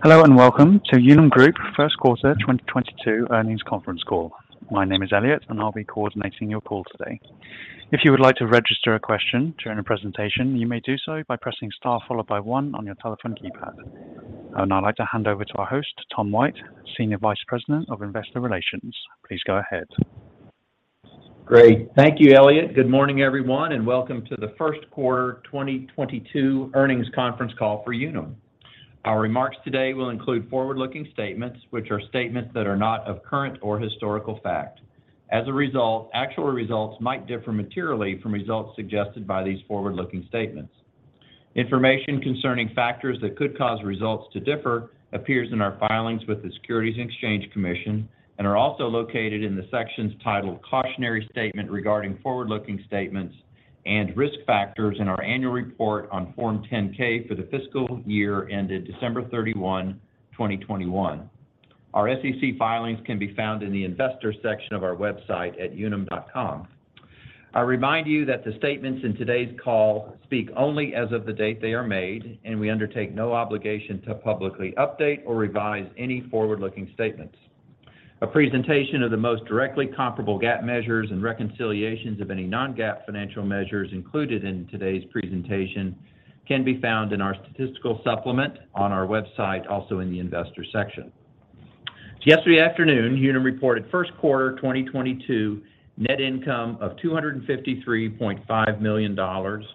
Hello, and welcome to Unum Group First Quarter 2022 Earnings Conference Call. My name is Elliot, and I'll be coordinating your call today. If you would like to register a question during the presentation, you may do so by pressing star followed by one on your telephone keypad. I would now like to hand over to our host, Tom White, Senior Vice President of Investor Relations. Please go ahead. Great. Thank you, Elliot. Good morning, everyone, and welcome to the first quarter 2022 earnings conference call for Unum. Our remarks today will include forward-looking statements, which are statements that are not of current or historical fact. As a result, actual results might differ materially from results suggested by these forward-looking statements. Information concerning factors that could cause results to differ appears in our filings with the Securities and Exchange Commission and are also located in the sections titled Cautionary Statement regarding Forward-Looking Statements and Risk Factors in our annual report on Form 10-K for the fiscal year ended December 31, 2021. Our SEC filings can be found in the Investors section of our website at unum.com. I remind you that the statements in today's call speak only as of the date they are made, and we undertake no obligation to publicly update or revise any forward-looking statements. A presentation of the most directly comparable GAAP measures and reconciliations of any non-GAAP financial measures included in today's presentation can be found in our statistical supplement on our website, also in the Investors section. Yesterday afternoon, Unum reported first quarter 2022 net income of $253.5 million or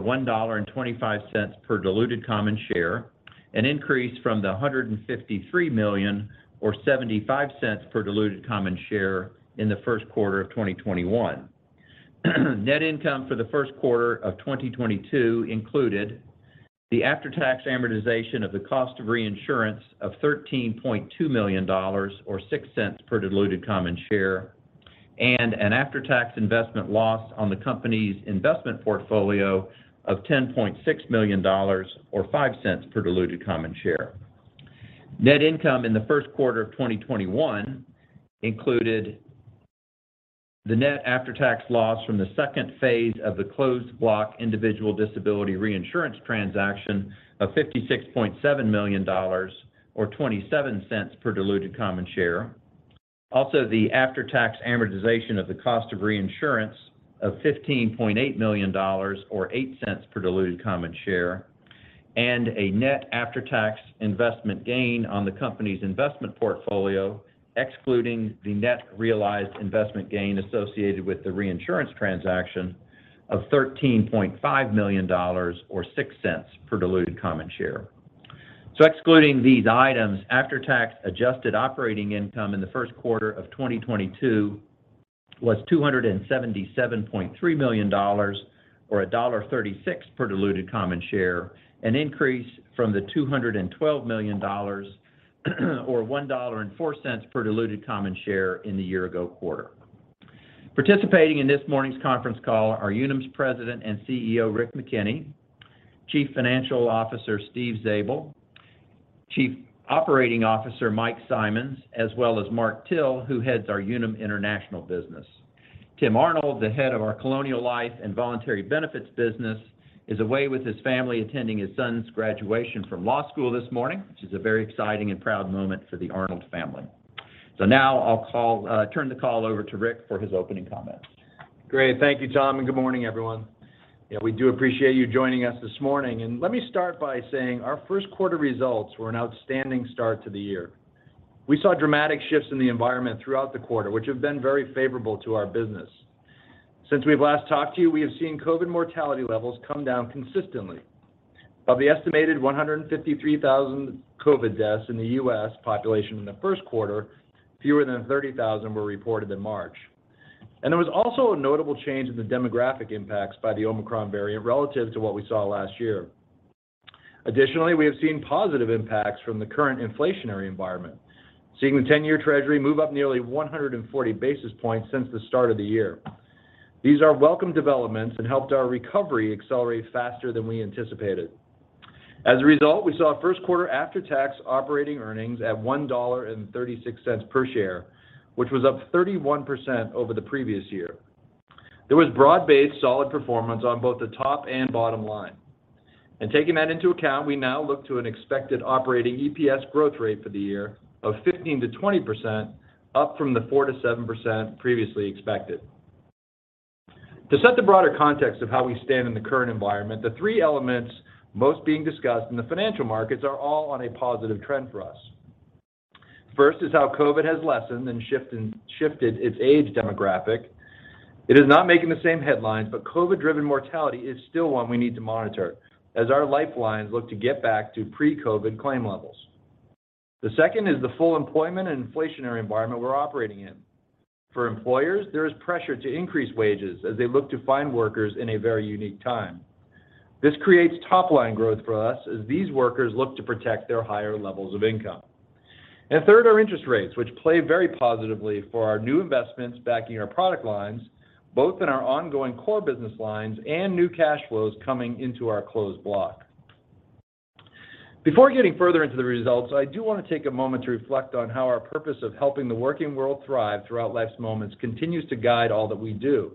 $1.25 per diluted common share, an increase from the $153 million or $0.75 per diluted common share in the first quarter of 2021. Net income for the first quarter of 2022 included the after-tax amortization of the cost of reinsurance of $13.2 million or $0.06 per diluted common share and an after-tax investment loss on the company's investment portfolio of $10.6 million or $0.05 per diluted common share. Net income in the first quarter of 2021 included the net after-tax loss from the second phase of the closed block individual disability reinsurance transaction of $56.7 million or 27 cents per diluted common share. Also, the after-tax amortization of the cost of reinsurance of $15.8 million or 8 cents per diluted common share, and a net after-tax investment gain on the company's investment portfolio, excluding the net realized investment gain associated with the reinsurance transaction of $13.5 million or 6 cents per diluted common share. Excluding these items, after-tax adjusted operating income in the first quarter of 2022 was $277.3 million or $1.36 per diluted common share, an increase from the $212 million or $1.04 per diluted common share in the year ago quarter. Participating in this morning's conference call are Unum's President and CEO, Rick McKenney, Chief Financial Officer, Steve Zabel, Chief Operating Officer, Mike Simonds, as well as Mark Till, who heads our Unum International business. Tim Arnold, the head of our Colonial Life and Voluntary Benefits business, is away with his family attending his son's graduation from law school this morning, which is a very exciting and proud moment for the Arnold family. Now I'll turn the call over to Rick for his opening comments. Great. Thank you, Tom, and good morning, everyone. Yeah, we do appreciate you joining us this morning. Let me start by saying our first quarter results were an outstanding start to the year. We saw dramatic shifts in the environment throughout the quarter, which have been very favorable to our business. Since we've last talked to you, we have seen COVID mortality levels come down consistently. Of the estimated 153,000 COVID deaths in the U.S. population in the first quarter, fewer than 30,000 were reported in March. There was also a notable change in the demographic impacts by the Omicron variant relative to what we saw last year. Additionally, we have seen positive impacts from the current inflationary environment, seeing the 10-year Treasury move up nearly 140 basis points since the start of the year. These are welcome developments and helped our recovery accelerate faster than we anticipated. As a result, we saw first quarter after-tax operating earnings at $1.36 per share, which was up 31% over the previous year. There was broad-based solid performance on both the top and bottom line. Taking that into account, we now look to an expected operating EPS growth rate for the year of 15%-20%, up from the 4%-7% previously expected. To set the broader context of how we stand in the current environment, the three elements most being discussed in the financial markets are all on a positive trend for us. First is how COVID has lessened and shifted its age demographic. It is not making the same headlines, but COVID-driven mortality is still one we need to monitor as our life lines look to get back to pre-COVID claim levels. The second is the full employment and inflationary environment we're operating in. For employers, there is pressure to increase wages as they look to find workers in a very unique time. This creates top-line growth for us as these workers look to protect their higher levels of income. Third are interest rates, which play very positively for our new investments backing our product lines, both in our ongoing core business lines and new cash flows coming into our closed block. Before getting further into the results, I do want to take a moment to reflect on how our purpose of helping the working world thrive throughout life's moments continues to guide all that we do.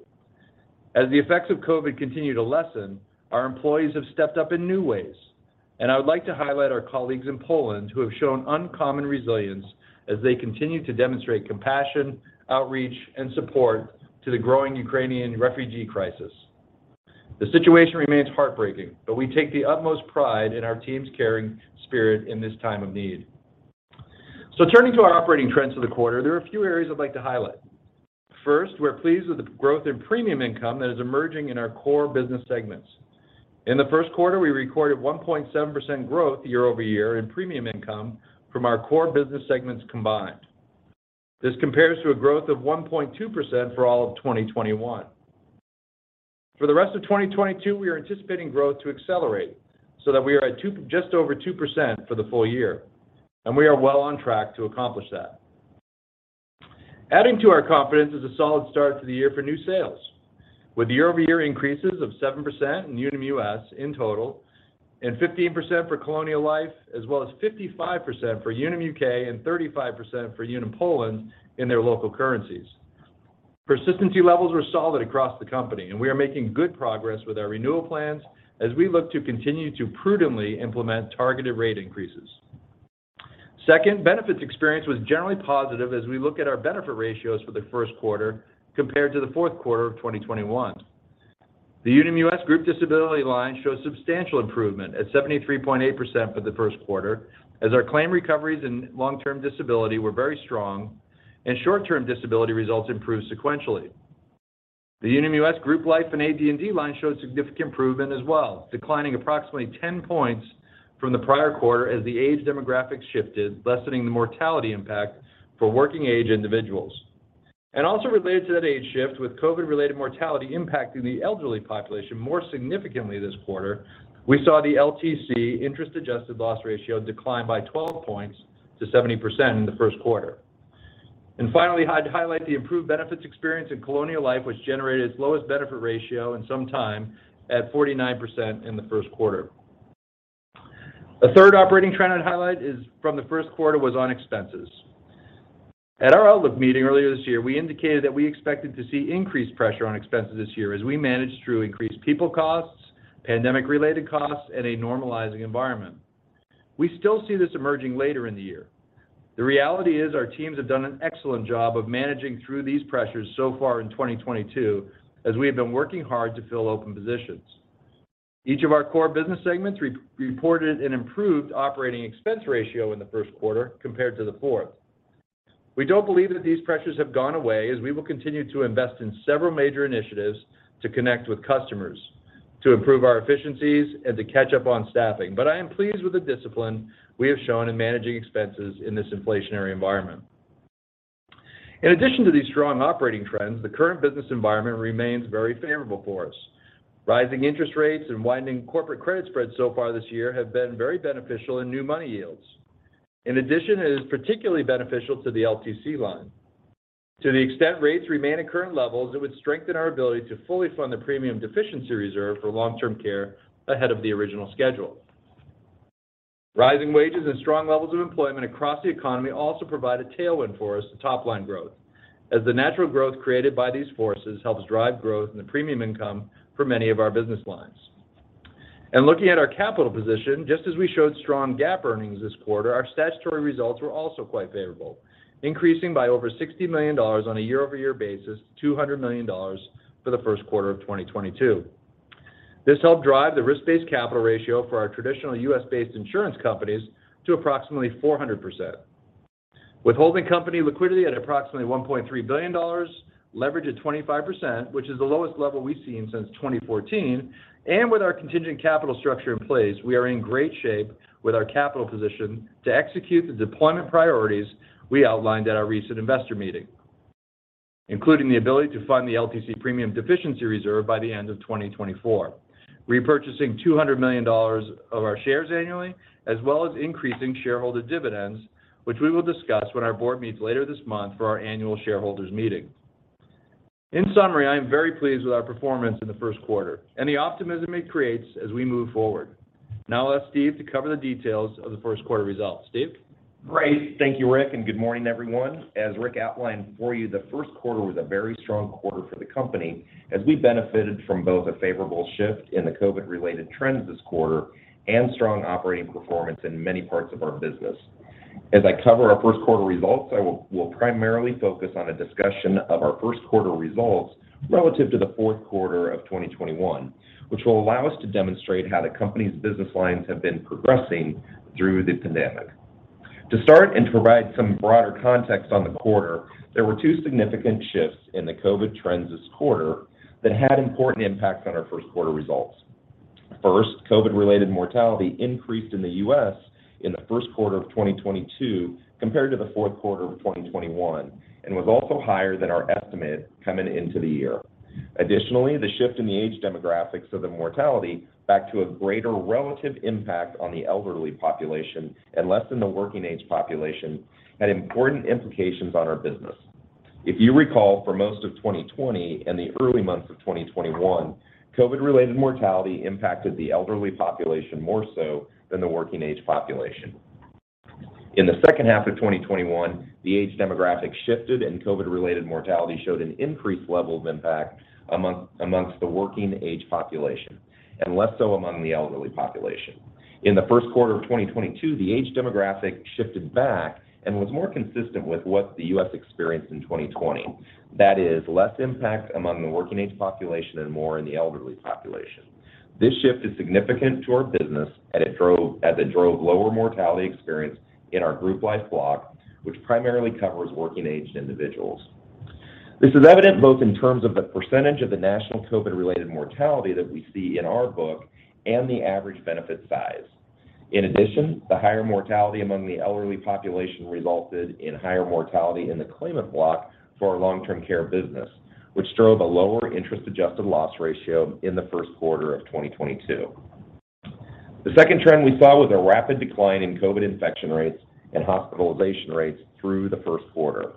As the effects of COVID continue to lessen, our employees have stepped up in new ways, and I would like to highlight our colleagues in Poland who have shown uncommon resilience as they continue to demonstrate compassion, outreach, and support to the growing Ukrainian refugee crisis. The situation remains heartbreaking, but we take the utmost pride in our team's caring spirit in this time of need. Turning to our operating trends for the quarter, there are a few areas I'd like to highlight. First, we're pleased with the growth in premium income that is emerging in our core business segments. In the first quarter, we recorded 1.7% growth year-over-year in premium income from our core business segments combined. This compares to a growth of 1.2% for all of 2021. For the rest of 2022, we are anticipating growth to accelerate so that we are at just over 2% for the full year, and we are well on track to accomplish that. Adding to our confidence is a solid start to the year for new sales. With year-over-year increases of 7% in Unum U.S. in total and 15% for Colonial Life, as well as 55% for Unum U.K. and 35% for Unum Poland in their local currencies. Persistency levels were solid across the company, and we are making good progress with our renewal plans as we look to continue to prudently implement targeted rate increases. Second, benefits experience was generally positive as we look at our benefit ratios for the first quarter compared to the fourth quarter of 2021. The Unum U.S. group disability line showed substantial improvement at 73.8% for the first quarter as our claim recoveries in long-term disability were very strong and short-term disability results improved sequentially. The Unum U.S. group life and AD&D line showed significant improvement as well, declining approximately 10 points from the prior quarter as the age demographics shifted, lessening the mortality impact for working age individuals. Also related to that age shift, with COVID-related mortality impacting the elderly population more significantly this quarter, we saw the LTC interest-adjusted loss ratio decline by 12 points to 70% in the first quarter. Finally, I'd highlight the improved benefits experience in Colonial Life, which generated its lowest benefit ratio in some time at 49% in the first quarter. A third operating trend I'd highlight from the first quarter was on expenses. At our outlook meeting earlier this year, we indicated that we expected to see increased pressure on expenses this year as we managed through increased people costs, pandemic-related costs, and a normalizing environment. We still see this emerging later in the year. The reality is our teams have done an excellent job of managing through these pressures so far in 2022 as we have been working hard to fill open positions. Each of our core business segments reported an improved operating expense ratio in the first quarter compared to the fourth quarter. We don't believe that these pressures have gone away as we will continue to invest in several major initiatives to connect with customers, to improve our efficiencies, and to catch up on staffing. I am pleased with the discipline we have shown in managing expenses in this inflationary environment. In addition to these strong operating trends, the current business environment remains very favorable for us. Rising interest rates and narrowing corporate credit spreads so far this year have been very beneficial in new money yields. In addition, it is particularly beneficial to the LTC line. To the extent rates remain at current levels, it would strengthen our ability to fully fund the premium deficiency reserve for long-term care ahead of the original schedule. Rising wages and strong levels of employment across the economy also provide a tailwind for us to top-line growth as the natural growth created by these forces helps drive growth in the premium income for many of our business lines. Looking at our capital position, just as we showed strong GAAP earnings this quarter, our statutory results were also quite favorable, increasing by over $60 million on a year-over-year basis to $200 million for the first quarter of 2022. This helped drive the risk-based capital ratio for our traditional U.S.-based insurance companies to approximately 400%. Holding company liquidity at approximately $1.3 billion, leverage at 25%, which is the lowest level we've seen since 2014, and with our contingent capital structure in place, we are in great shape with our capital position to execute the deployment priorities we outlined at our recent investor meeting, including the ability to fund the LTC premium deficiency reserve by the end of 2024, repurchasing $200 million of our shares annually, as well as increasing shareholder dividends, which we will discuss when our board meets later this month for our annual shareholders meeting. In summary, I am very pleased with our performance in the first quarter and the optimism it creates as we move forward. Now I'll ask Steve to cover the details of the first quarter results. Steve? Great. Thank you, Rick, and good morning, everyone. As Rick outlined for you, the first quarter was a very strong quarter for the company as we benefited from both a favorable shift in the COVID-related trends this quarter and strong operating performance in many parts of our business. As I cover our first quarter results, I will primarily focus on a discussion of our first quarter results relative to the fourth quarter of 2021, which will allow us to demonstrate how the company's business lines have been progressing through the pandemic. To start and to provide some broader context on the quarter, there were two significant shifts in the COVID trends this quarter that had important impacts on our first quarter results. First, COVID-related mortality increased in the U.S. in the first quarter of 2022 compared to the fourth quarter of 2021 and was also higher than our estimate coming into the year. Additionally, the shift in the age demographics of the mortality back to a greater relative impact on the elderly population and less on the working age population had important implications on our business. If you recall, for most of 2020 and the early months of 2021, COVID-related mortality impacted the elderly population more so than the working age population. In the second half of 2021, the age demographic shifted and COVID-related mortality showed an increased level of impact amongst the working age population, and less so among the elderly population. In the first quarter of 2022, the age demographic shifted back and was more consistent with what the U.S. experienced in 2020. That is, less impact among the working age population and more in the elderly population. This shift is significant to our business, and it drove lower mortality experience in our group life block, which primarily covers working-aged individuals. This is evident both in terms of the percentage of the national COVID-related mortality that we see in our book and the average benefit size. In addition, the higher mortality among the elderly population resulted in higher mortality in the claimant block for our long-term care business, which drove a lower interest-adjusted loss ratio in the first quarter of 2022. The second trend we saw was a rapid decline in COVID infection rates and hospitalization rates through the first quarter.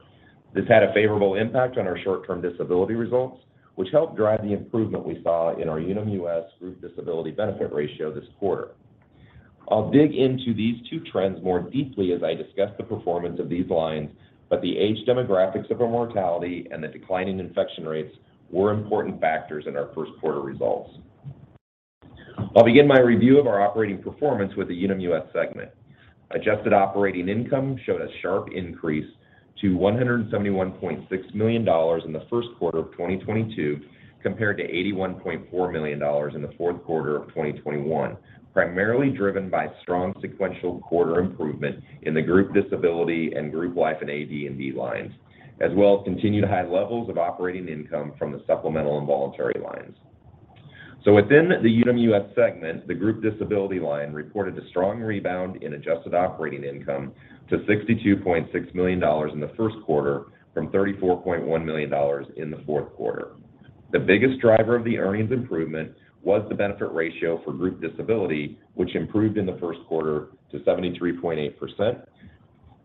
This had a favorable impact on our short-term disability results, which helped drive the improvement we saw in our Unum U.S. Group Disability Benefit Ratio this quarter. I'll dig into these two trends more deeply as I discuss the performance of these lines, but the age demographics of our mortality and the declining infection rates were important factors in our first quarter results. I'll begin my review of our operating performance with the Unum U.S. segment. Adjusted operating income showed a sharp increase to $171.6 million in the first quarter of 2022, compared to $81.4 million in the fourth quarter of 2021, primarily driven by strong sequential quarter improvement in the group disability and group life and AD&D lines, as well as continued high levels of operating income from the supplemental and voluntary lines. Within the Unum U.S. segment, the group disability line reported a strong rebound in adjusted operating income to $62.6 million in the first quarter from $34.1 million in the fourth quarter. The biggest driver of the earnings improvement was the benefit ratio for group disability, which improved in the first quarter to 73.8%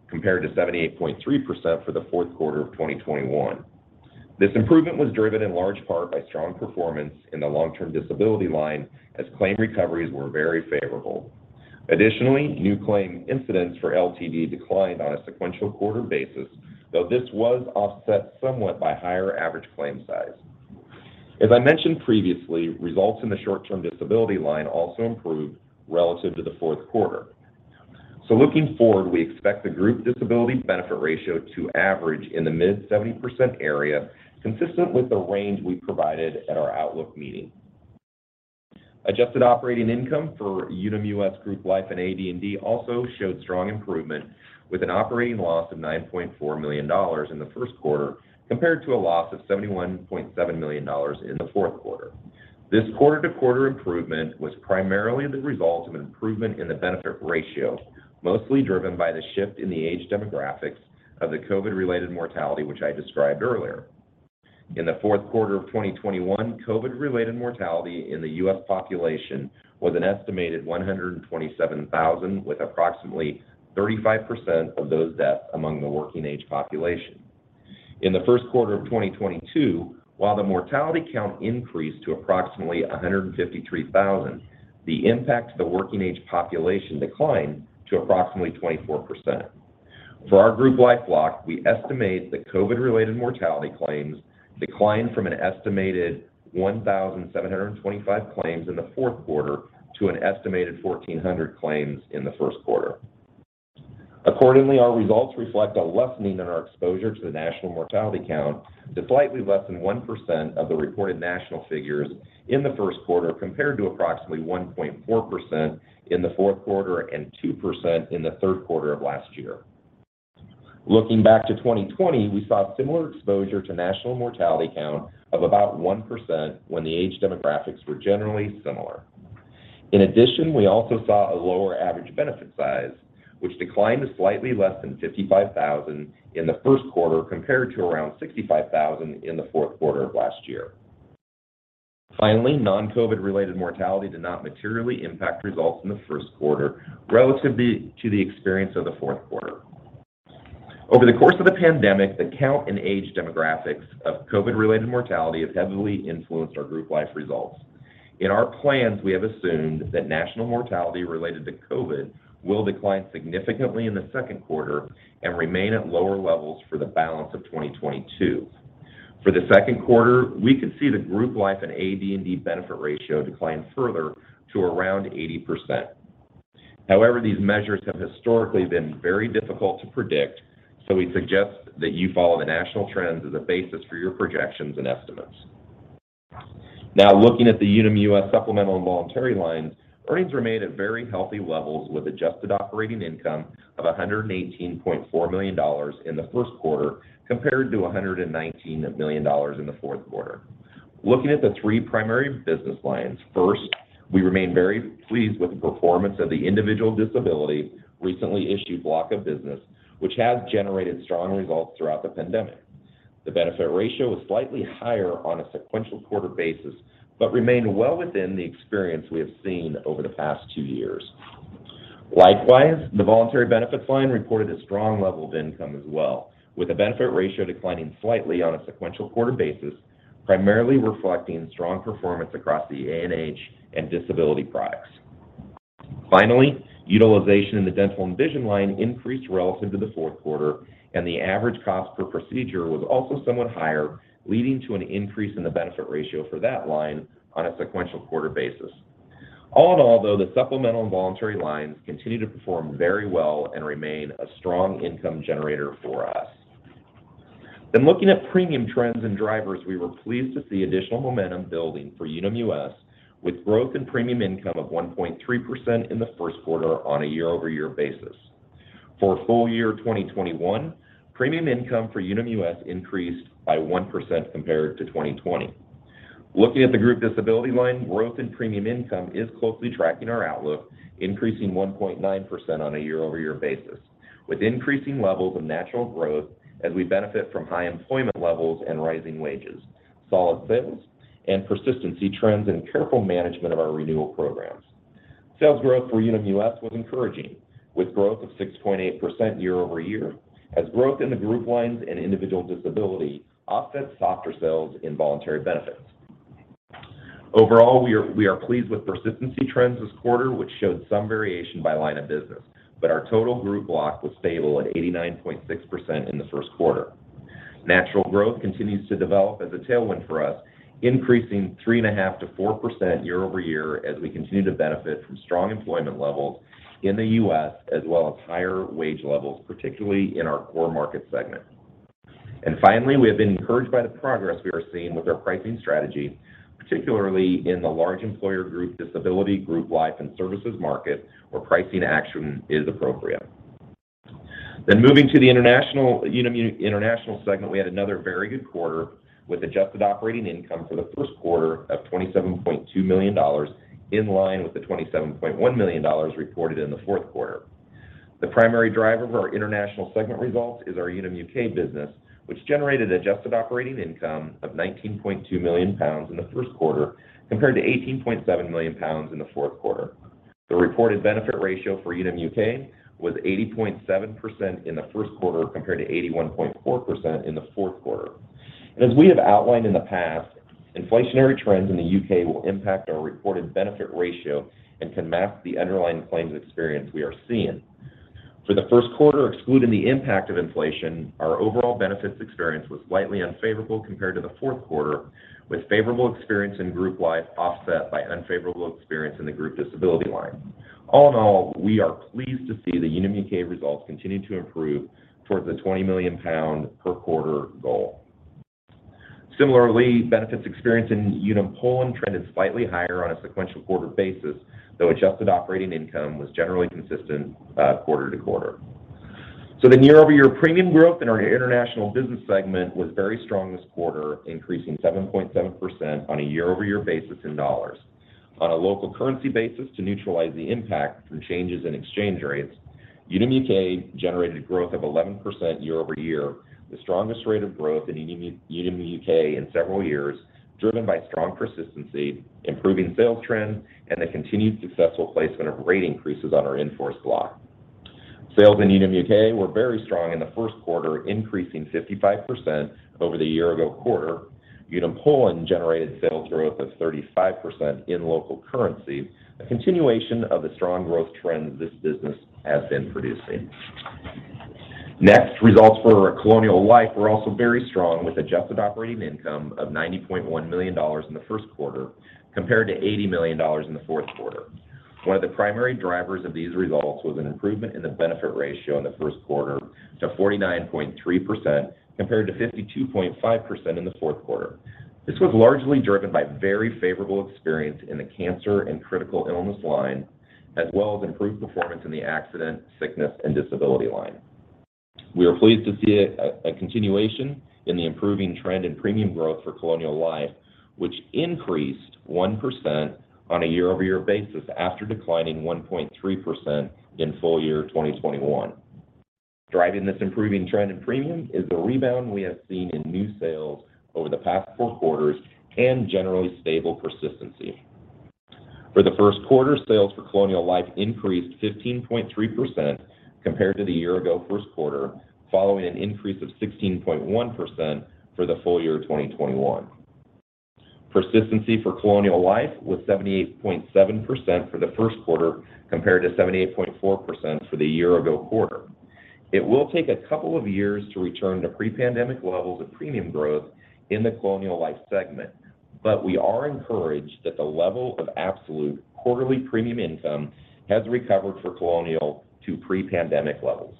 compared to 78.3% for the fourth quarter of 2021. This improvement was driven in large part by strong performance in the long-term disability line as claim recoveries were very favorable. Additionally, new claim incidents for LTD declined on a sequential quarter basis, though this was offset somewhat by higher average claim size. As I mentioned previously, results in the short-term disability line also improved relative to the fourth quarter. Looking forward, we expect the group disability benefit ratio to average in the mid-70% area, consistent with the range we provided at our Outlook meeting. Adjusted operating income for Unum U.S. Group Life and AD&D also showed strong improvement with an operating loss of $9.4 million in the first quarter compared to a loss of $71.7 million in the fourth quarter. This quarter-to-quarter improvement was primarily the result of an improvement in the benefit ratio, mostly driven by the shift in the age demographics of the COVID-related mortality, which I described earlier. In the fourth quarter of 2021, COVID-related mortality in the U.S. population was an estimated 127,000, with approximately 35% of those deaths among the working age population. In the first quarter of 2022, while the mortality count increased to approximately 153,000, the impact to the working age population declined to approximately 24%. For our group life block, we estimate the COVID-related mortality claims declined from an estimated 1,725 claims in the fourth quarter to an estimated 1,400 claims in the first quarter. Accordingly, our results reflect a lessening in our exposure to the national mortality count to slightly less than 1% of the reported national figures in the first quarter compared to approximately 1.4% in the fourth quarter and 2% in the third quarter of last year. Looking back to 2020, we saw a similar exposure to national mortality count of about 1% when the age demographics were generally similar. In addition, we also saw a lower average benefit size, which declined to slightly less than $55,000 in the first quarter compared to around $65,000 in the fourth quarter of last year. Finally, non-COVID-related mortality did not materially impact results in the first quarter relative to the experience of the fourth quarter. Over the course of the pandemic, the count in age demographics of COVID-related mortality has heavily influenced our group life results. In our plans, we have assumed that national mortality related to COVID will decline significantly in the second quarter and remain at lower levels for the balance of 2022. For the second quarter, we could see the group life and AD&D benefit ratio decline further to around 80%. However, these measures have historically been very difficult to predict, so we suggest that you follow the national trends as a basis for your projections and estimates. Now, looking at the Unum U.S. supplemental and voluntary lines, earnings remained at very healthy levels with adjusted operating income of $118.4 million in the first quarter compared to $119 million in the fourth quarter. Looking at the three primary business lines, first, we remain very pleased with the performance of the individual disability recently issued block of business, which has generated strong results throughout the pandemic. The benefit ratio was slightly higher on a sequential quarter basis, but remained well within the experience we have seen over the past two years. Likewise, the voluntary benefits line reported a strong level of income as well, with the benefit ratio declining slightly on a sequential quarter basis. Primarily reflecting strong performance across the A&H and disability products. Finally, utilization in the dental and vision line increased relative to the fourth quarter, and the average cost per procedure was also somewhat higher, leading to an increase in the benefit ratio for that line on a sequential quarter basis. All in all, though, the supplemental and voluntary lines continue to perform very well and remain a strong income generator for us. Looking at premium trends and drivers, we were pleased to see additional momentum building for Unum U.S. with growth in premium income of 1.3% in the first quarter on a year-over-year basis. For full year 2021, premium income for Unum U.S. increased by 1% compared to 2020. Looking at the group disability line, growth in premium income is closely tracking our outlook, increasing 1.9% on a year-over-year basis, with increasing levels of natural growth as we benefit from high employment levels and rising wages, solid sales, and persistency trends in careful management of our renewal programs. Sales growth for Unum U.S. was encouraging, with growth of 6.8% year-over-year, as growth in the group lines and individual disability offset softer sales in voluntary benefits. Overall, we are pleased with persistency trends this quarter, which showed some variation by line of business, but our total group block was stable at 89.6% in the first quarter. Natural growth continues to develop as a tailwind for us, increasing 3.5%-4% year-over-year as we continue to benefit from strong employment levels in the U.S. as well as higher wage levels, particularly in our core market segment. Finally, we have been encouraged by the progress we are seeing with our pricing strategy, particularly in the large employer group, disability group, life and services market where pricing action is appropriate. Moving to the international, Unum International segment, we had another very good quarter with adjusted operating income for the first quarter of $27.2 million in line with the $27.1 million reported in the fourth quarter. The primary driver of our international segment results is our Unum U.K. business, which generated adjusted operating income of 19.2 million pounds in the first quarter compared to 18.7 million pounds in the fourth quarter. The reported benefit ratio for Unum U.K. was 80.7% in the first quarter compared to 81.4% in the fourth quarter. As we have outlined in the past, inflationary trends in the U.K. will impact our reported benefit ratio and can mask the underlying claims experience we are seeing. For the first quarter, excluding the impact of inflation, our overall benefits experience was slightly unfavorable compared to the fourth quarter, with favorable experience in group life offset by unfavorable experience in the group disability line. All in all, we are pleased to see the Unum U.K. results continue to improve towards the 20 million pound per quarter goal. Similarly, benefits experience in Unum Poland trended slightly higher on a sequential quarter basis, though adjusted operating income was generally consistent, quarter-over-quarter. The year-over-year premium growth in our international business segment was very strong this quarter, increasing 7.7% on a year-over-year basis in dollars. On a local currency basis to neutralize the impact from changes in exchange rates, Unum U.K. generated growth of 11% year-over-year, the strongest rate of growth in Unum U.K. in several years, driven by strong persistency, improving sales trends, and the continued successful placement of rate increases on our in-force block. Sales in Unum U.K. were very strong in the first quarter, increasing 55% over the year ago quarter. Unum Poland generated sales growth of 35% in local currency, a continuation of the strong growth trends this business has been producing. Next, results for Colonial Life were also very strong, with adjusted operating income of $90.1 million in the first quarter compared to $80 million in the fourth quarter. One of the primary drivers of these results was an improvement in the benefit ratio in the first quarter to 49.3% compared to 52.5% in the fourth quarter. This was largely driven by very favorable experience in the cancer and critical illness line, as well as improved performance in the accident, sickness, and disability line. We are pleased to see a continuation in the improving trend in premium growth for Colonial Life, which increased 1% on a year-over-year basis after declining 1.3% in full year 2021. Driving this improving trend in premium is the rebound we have seen in new sales over the past four quarters and generally stable persistency. For the first quarter, sales for Colonial Life increased 15.3% compared to the year ago first quarter, following an increase of 16.1% for the full year 2021. Persistency for Colonial Life was 78.7% for the first quarter compared to 78.4% for the year ago quarter. It will take a couple of years to return to pre-pandemic levels of premium growth in the Colonial Life segment, but we are encouraged that the level of absolute quarterly premium income has recovered for Colonial to pre-pandemic levels.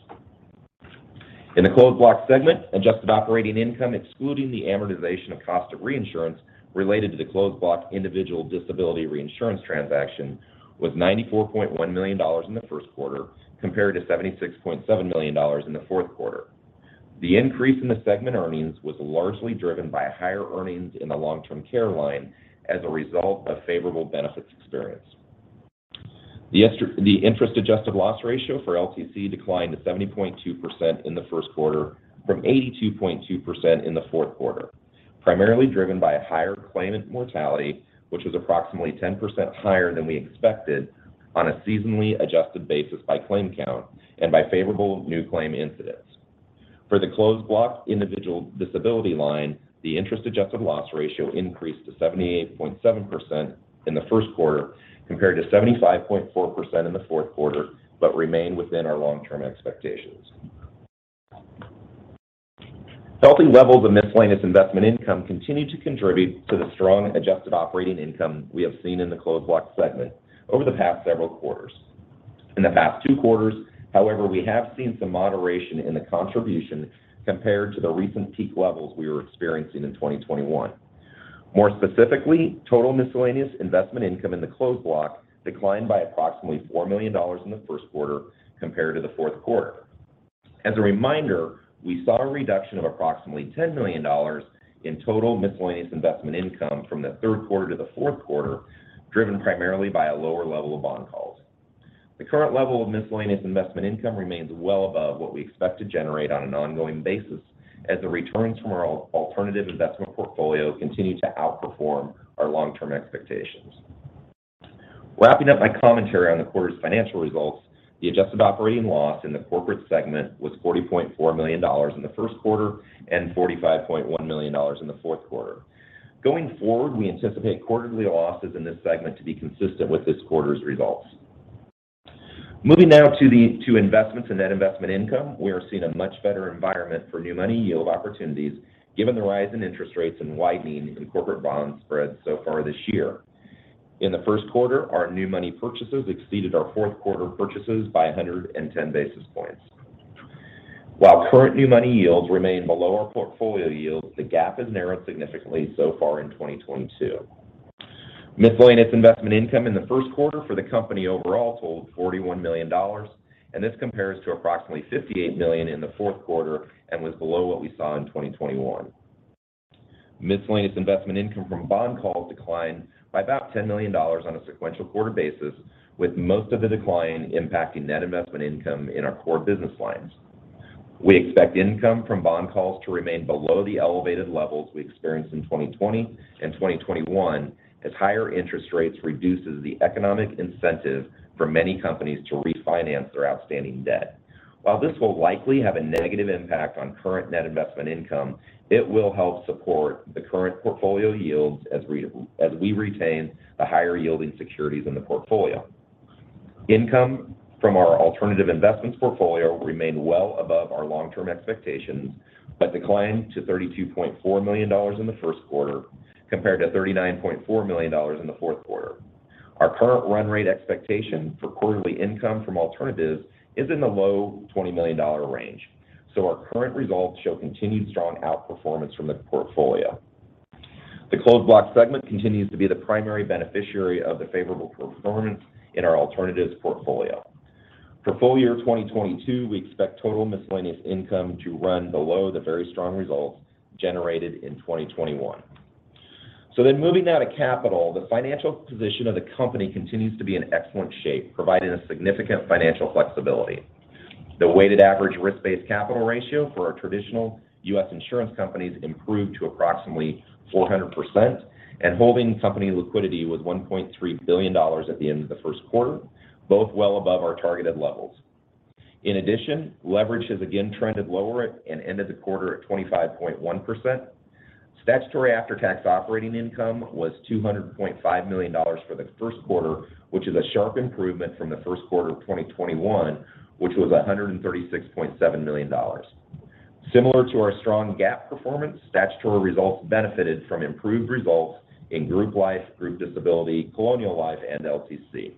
In the Closed Block segment, adjusted operating income excluding the amortization of cost of reinsurance related to the Closed Block individual disability reinsurance transaction was $94.1 million in the first quarter compared to $76.7 million in the fourth quarter. The increase in the segment earnings was largely driven by higher earnings in the long-term care line as a result of favorable benefits experience. The interest-adjusted loss ratio for LTC declined to 70.2% in the first quarter from 82.2% in the fourth quarter, primarily driven by a higher claimant mortality, which was approximately 10% higher than we expected on a seasonally adjusted basis by claim count and by favorable new claim incidence. For the closed block individual disability line, the interest-adjusted loss ratio increased to 78.7% in the first quarter compared to 75.4% in the fourth quarter, but remained within our long-term expectations. Healthy levels of miscellaneous investment income continued to contribute to the strong adjusted operating income we have seen in the closed block segment over the past several quarters. In the past two quarters, however, we have seen some moderation in the contribution compared to the recent peak levels we were experiencing in 2021. More specifically, total miscellaneous investment income in the closed block declined by approximately $4 million in the first quarter compared to the fourth quarter. As a reminder, we saw a reduction of approximately $10 million in total miscellaneous investment income from the third quarter to the fourth quarter, driven primarily by a lower level of bond calls. The current level of miscellaneous investment income remains well above what we expect to generate on an ongoing basis as the returns from our alternative investment portfolio continue to outperform our long-term expectations. Wrapping up my commentary on the quarter's financial results, the adjusted operating loss in the corporate segment was $40.4 million in the first quarter and $45.1 million in the fourth quarter. Going forward, we anticipate quarterly losses in this segment to be consistent with this quarter's results. Moving now to investments in net investment income, we are seeing a much better environment for new money yield opportunities given the rise in interest rates and widening in corporate bond spreads so far this year. In the first quarter, our new money purchases exceeded our fourth quarter purchases by 110 basis points. While current new money yields remain below our portfolio yields, the gap has narrowed significantly so far in 2022. Miscellaneous investment income in the first quarter for the company overall totaled $41 million, and this compares to approximately $58 million in the fourth quarter and was below what we saw in 2021. Miscellaneous investment income from bond calls declined by about $10 million on a sequential quarter basis, with most of the decline impacting net investment income in our core business lines. We expect income from bond calls to remain below the elevated levels we experienced in 2020 and 2021 as higher interest rates reduces the economic incentive for many companies to refinance their outstanding debt. While this will likely have a negative impact on current net investment income, it will help support the current portfolio yields as we retain the higher yielding securities in the portfolio. Income from our alternative investments portfolio remained well above our long-term expectations, but declined to $32.4 million in the first quarter compared to $39.4 million in the fourth quarter. Our current run rate expectation for quarterly income from alternatives is in the low $20 million range. Our current results show continued strong outperformance from the portfolio. The closed block segment continues to be the primary beneficiary of the favorable performance in our alternatives portfolio. For full year 2022, we expect total miscellaneous income to run below the very strong results generated in 2021. Moving now to capital, the financial position of the company continues to be in excellent shape, providing a significant financial flexibility. The weighted average risk-based capital ratio for our traditional U.S. insurance companies improved to approximately 400%, and holding company liquidity was $1.3 billion at the end of the first quarter, both well above our targeted levels. In addition, leverage has again trended lower, and ended the quarter at 25.1%. Statutory after-tax operating income was $200.5 million for the first quarter, which is a sharp improvement from the first quarter of 2021, which was $136.7 million. Similar to our strong GAAP performance, statutory results benefited from improved results in Group Life, Group Disability, Colonial Life, and LTC.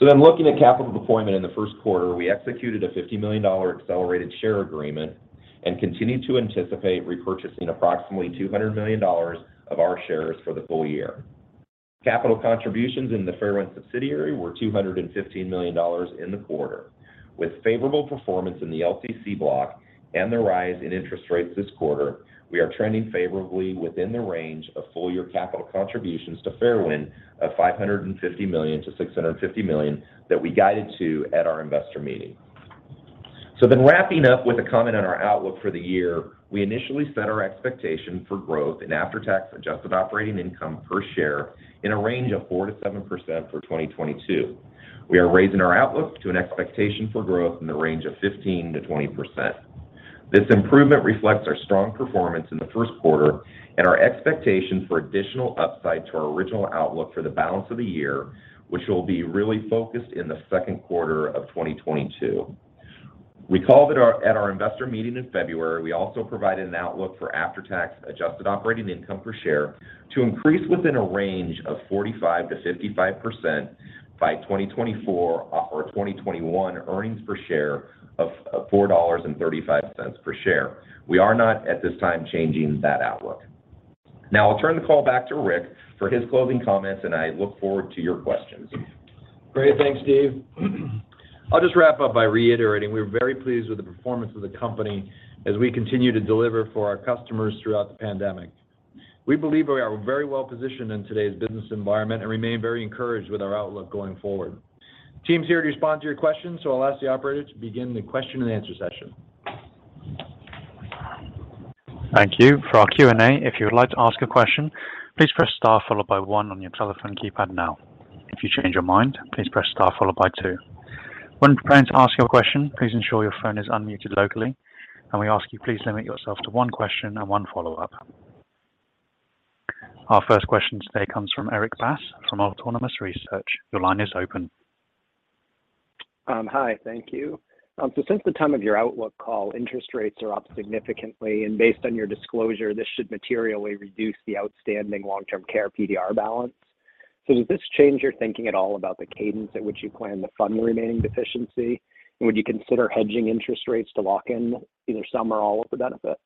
Looking at capital deployment in the first quarter, we executed a $50 million accelerated share agreement and continued to anticipate repurchasing approximately $200 million of our shares for the full year. Capital contributions in the Fairwind subsidiary were $215 million in the quarter. With favorable performance in the LTC block and the rise in interest rates this quarter, we are trending favorably within the range of full-year capital contributions to Fairwind of $550 million-$650 million that we guided to at our investor meeting. Wrapping up with a comment on our outlook for the year, we initially set our expectation for growth in after-tax adjusted operating income per share in a range of 4%-7% for 2022. We are raising our outlook to an expectation for growth in the range of 15%-20%. This improvement reflects our strong performance in the first quarter and our expectations for additional upside to our original outlook for the balance of the year, which will be really focused in the second quarter of 2022. At our investor meeting in February, we also provided an outlook for after-tax adjusted operating income per share to increase within a range of 45%-55% by 2024 or 2021 earnings per share of $4.35. We are not at this time changing that outlook. Now I'll turn the call back to Rick for his closing comments, and I look forward to your questions. Great. Thanks, Steve. I'll just wrap up by reiterating we're very pleased with the performance of the company as we continue to deliver for our customers throughout the pandemic. We believe we are very well positioned in today's business environment and remain very encouraged with our outlook going forward. Team's here to respond to your questions, so I'll ask the operator to begin the question and answer session. Thank you. For our Q&A, if you would like to ask a question, please press star followed by one on your telephone keypad now. If you change your mind, please press star followed by two. When preparing to ask your question, please ensure your phone is unmuted locally, and we ask you please limit yourself to one question and one follow-up. Our first question today comes from Erik Bass from Autonomous Research. Your line is open. Hi. Thank you. Since the time of your outlook call, interest rates are up significantly, and based on your disclosure, this should materially reduce the outstanding long-term care PDR balance. Does this change your thinking at all about the cadence at which you plan to fund the remaining deficiency, and would you consider hedging interest rates to lock in either some or all of the benefit?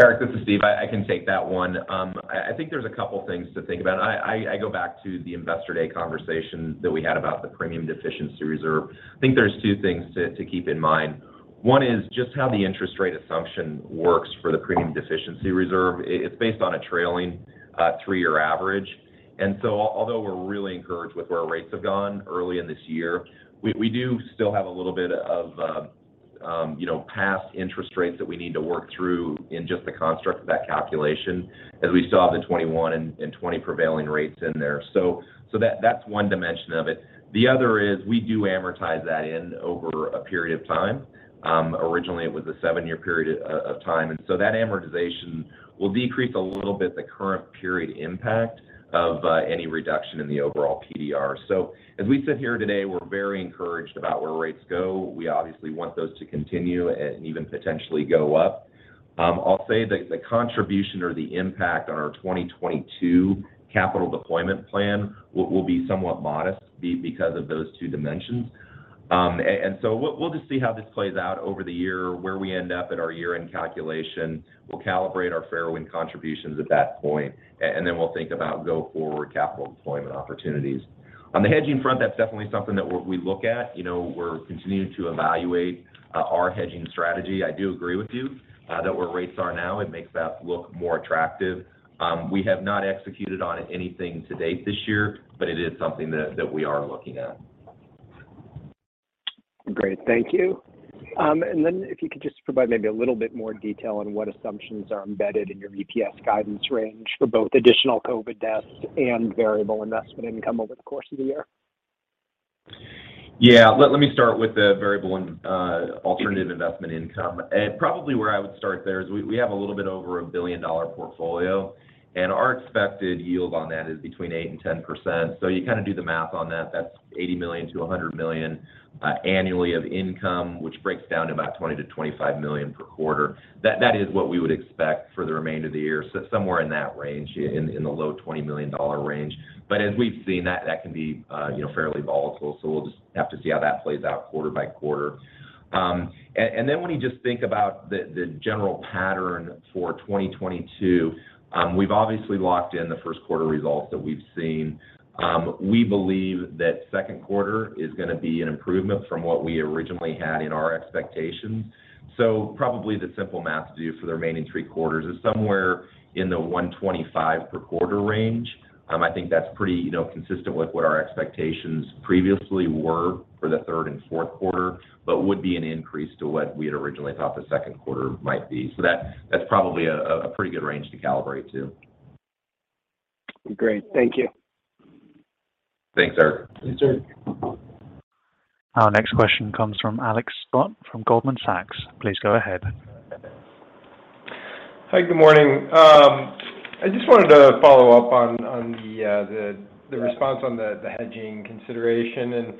Erik, this is Steve Zabel. I can take that one. I think there's a couple things to think about. I go back to the Investor Day conversation that we had about the premium deficiency reserve. I think there's 2 things to keep in mind. One is just how the interest rate assumption works for the premium deficiency reserve. It's based on a trailing 3-year average. Although we're really encouraged with where rates have gone early in this year, we do still have a little bit of, you know, past interest rates that we need to work through in just the construct of that calculation as we saw the 2021 and 2020 prevailing rates in there. So that's one dimension of it. The other is we do amortize that in over a period of time. Originally it was a seven-year period of time, and that amortization will decrease a little bit the current period impact of any reduction in the overall PDR. As we sit here today, we're very encouraged about where rates go. We obviously want those to continue and even potentially go up. I'll say the contribution or the impact on our 2022 capital deployment plan will be somewhat modest because of those two dimensions. We'll just see how this plays out over the year, where we end up at our year-end calculation. We'll calibrate our Fairwind contributions at that point, and then we'll think about go-forward capital deployment opportunities. On the hedging front, that's definitely something that we're looking at. You know, we're continuing to evaluate our hedging strategy. I do agree with you, that where rates are now, it makes that look more attractive. We have not executed on anything to date this year, but it is something that we are looking at. Great. Thank you. If you could just provide maybe a little bit more detail on what assumptions are embedded in your EPS guidance range for both additional COVID deaths and variable investment income over the course of the year. Let me start with the variable and alternative investment income. Probably where I would start there is we have a little bit over $1 billion portfolio, and our expected yield on that is between 8% and 10%. You kind of do the math on that. That's $80 million-$100 million annually of income, which breaks down to about $20 million-$25 million per quarter. That is what we would expect for the remainder of the year, somewhere in that range, in the low $20 million range. As we've seen, that can be, you know, fairly volatile, we'll just have to see how that plays out quarter by quarter. When you just think about the general pattern for 2022, we've obviously locked in the first quarter results that we've seen. We believe that second quarter is gonna be an improvement from what we originally had in our expectations. Probably the simple math to do for the remaining three quarters is somewhere in the $1.25 per quarter range. I think that's pretty, you know, consistent with what our expectations previously were for the third and fourth quarter, but would be an increase to what we had originally thought the second quarter might be. That's probably a pretty good range to calibrate to. Great. Thank you. Thanks, Erik. Our next question comes from Alex Scott from Goldman Sachs. Please go ahead. Hi. Good morning. I just wanted to follow up on the response on the hedging consideration. You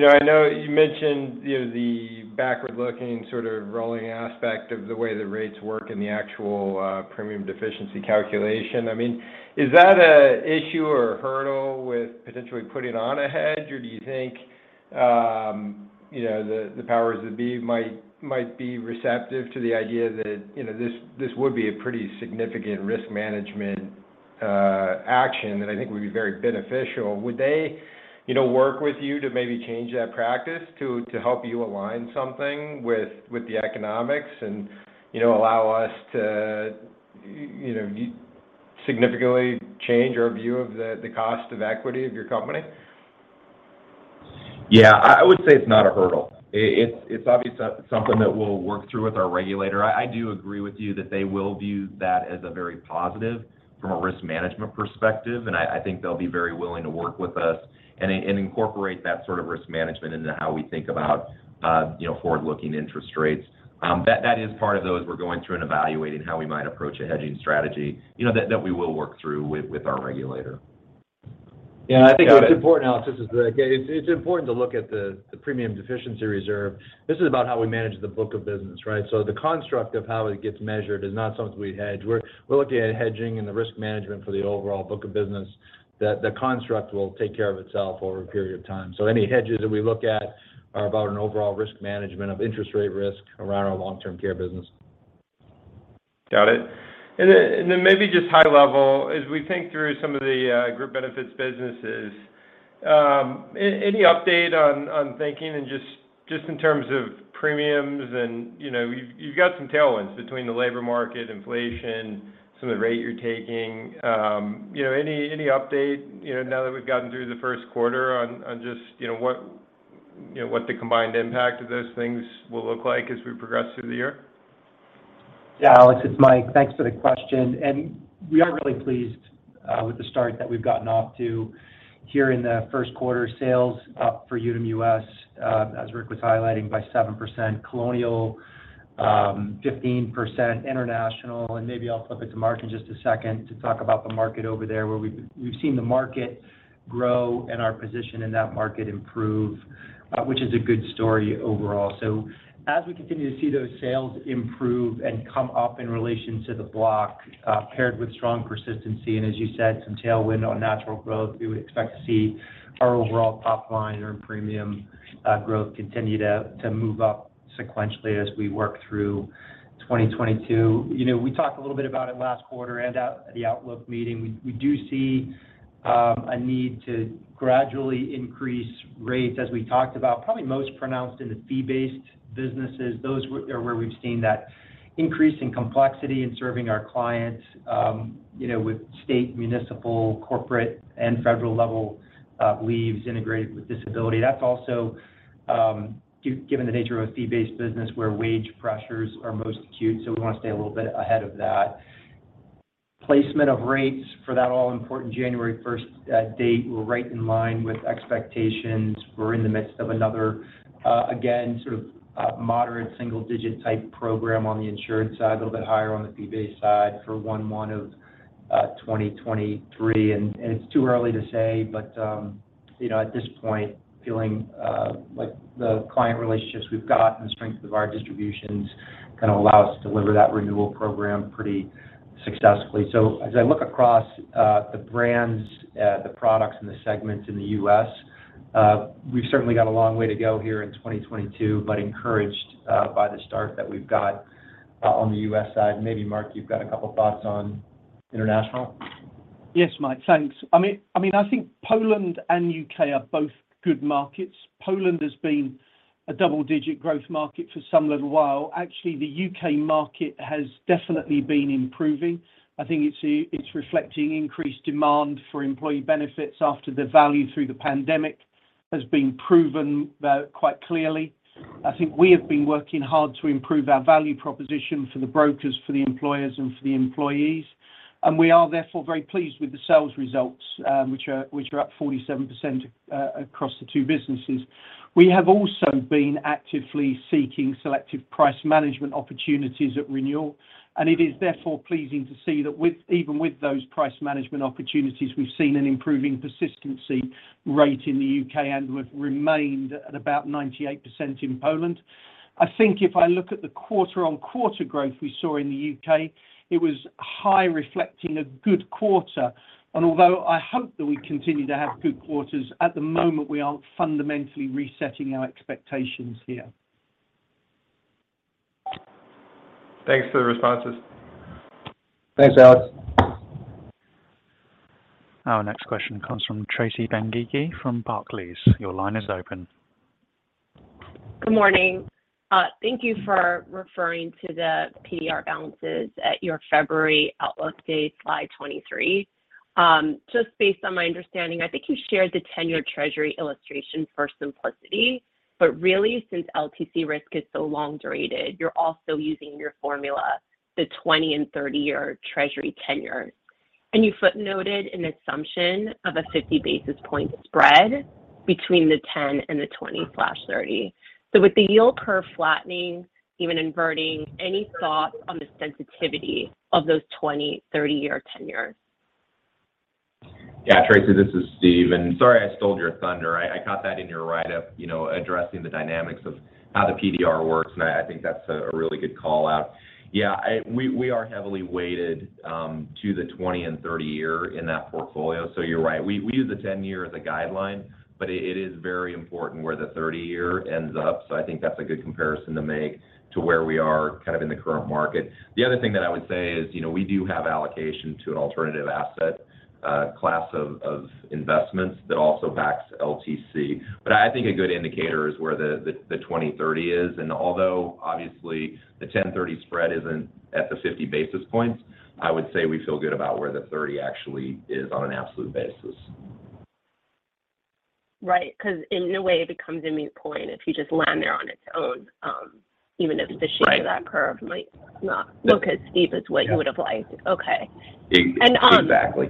know, I know you mentioned you know, the backward-looking sort of rolling aspect of the way the rates work and the actual premium deficiency calculation. I mean, is that an issue or a hurdle with potentially putting on a hedge, or do you think you know, the powers that be might be receptive to the idea that you know, this would be a pretty significant risk management action that I think would be very beneficial? Would they you know, work with you to maybe change that practice to help you align something with the economics and you know, allow us to you know, significantly change our view of the cost of equity of your company? Yeah. I would say it's not a hurdle. It's obviously something that we'll work through with our regulator. I do agree with you that they will view that as a very positive from a risk management perspective, and I think they'll be very willing to work with us and incorporate that sort of risk management into how we think about, you know, forward-looking interest rates. That is part of, though, as we're going through and evaluating how we might approach a hedging strategy, you know, that we will work through with our regulator. Yeah. I think what's important, Alex, is it's important to look at the premium deficiency reserve. This is about how we manage the book of business, right? So the construct of how it gets measured is not something we'd hedge. We're looking at hedging and the risk management for the overall book of business that the construct will take care of itself over a period of time. So any hedges that we look at are about an overall risk management of interest rate risk around our long-term care business. Got it. Then maybe just high level, as we think through some of the group benefits businesses, any update on thinking and just in terms of premiums and, you know, you've got some tailwinds between the labor market, inflation, some of the rate you're taking. You know, any update, you know, now that we've gotten through the first quarter on just, you know, what You know what the combined impact of those things will look like as we progress through the year? Yeah, Alex, it's Mike. Thanks for the question. We are really pleased with the start that we've gotten off to here in the first quarter sales up for Unum U.S., as Rick was highlighting by 7% Colonial Life 15% Unum International, and maybe I'll flip it to Mark in just a second to talk about the market over there where we've seen the market grow and our position in that market improve, which is a good story overall. As we continue to see those sales improve and come up in relation to the block, paired with strong persistency, and as you said, some tailwind on natural growth, we would expect to see our overall top line earned premium growth continue to move up sequentially as we work through 2022. You know, we talked a little bit about it last quarter and out at the outlook meeting. We do see a need to gradually increase rates as we talked about, probably most pronounced in the fee-based businesses. Those are where we've seen that increase in complexity in serving our clients, you know, with state municipal, corporate, and federal level leaves integrated with disability. That's also given the nature of a fee-based business where wage pressures are most acute, so we wanna stay a little bit ahead of that. Placement of rates for that all important January 1 date were right in line with expectations. We're in the midst of another, again, sort of moderate single digit type program on the insurance side, a little bit higher on the fee-based side for one of 2023. It's too early to say, but you know, at this point, feeling like the client relationships we've got and the strength of our distributions kinda allow us to deliver that renewal program pretty successfully. As I look across the brands, the products and the segments in the U.S., we've certainly got a long way to go here in 2022, but encouraged by the start that we've got on the U.S. side. Maybe Mark, you've got a couple thoughts on international. Yes, Mike. Thanks. I mean, I think Poland and U.K. are both good markets. Poland has been a double-digit growth market for some little while. Actually, the U.K. market has definitely been improving. I think it's reflecting increased demand for employee benefits after the value through the pandemic has been proven quite clearly. I think we have been working hard to improve our value proposition for the brokers, for the employers, and for the employees. We are therefore very pleased with the sales results, which are up 47% across the two businesses. We have also been actively seeking selective price management opportunities at renewal, and it is therefore pleasing to see that with even those price management opportunities, we've seen an improving persistency rate in the U.K. and have remained at about 98% in Poland. I think if I look at the quarter-over-quarter growth we saw in the U.K., it was high, reflecting a good quarter. Although I hope that we continue to have good quarters, at the moment, we aren't fundamentally resetting our expectations here. Thanks for the responses. Thanks, Alex. Our next question comes from Tracy Benguigui from Barclays. Your line is open. Good morning. Thank you for referring to the PDR balances at your February outlook day Slide 23. Just based on my understanding, I think you shared the 10-year treasury illustration for simplicity. Really, since LTC risk is so long-duration, you're also using your formula, the 20- and 30-year treasury tenor. You footnoted an assumption of a 50 basis point spread between the 10 and the 20/30. With the yield curve flattening, even inverting, any thoughts on the sensitivity of those 20-, 30-year tenors? Yeah. Tracy, this is Steve Zabel. Sorry, I stole your thunder. I caught that in your writeup, you know, addressing the dynamics of how the PDR works, and I think that's a really good call-out. Yeah, we are heavily weighted to the 20- and 30-year in that portfolio. So you're right. We use the 10-year as a guideline, but it is very important where the 30-year ends up. So I think that's a good comparison to make to where we are kind of in the current market. The other thing that I would say is, you know, we do have allocation to an alternative asset class of investments that also backs LTC. But I think a good indicator is where the 20, 30 is. Although, obviously, the 10/30 spread isn't at the 50 basis points, I would say we feel good about where the 30 actually is on an absolute basis. Right. 'Cause in a way it becomes a moot point if you just land there on its own, even if the shape. Right of that curve might not look as steep as what you would apply. Yeah. Okay. Ex-exactly.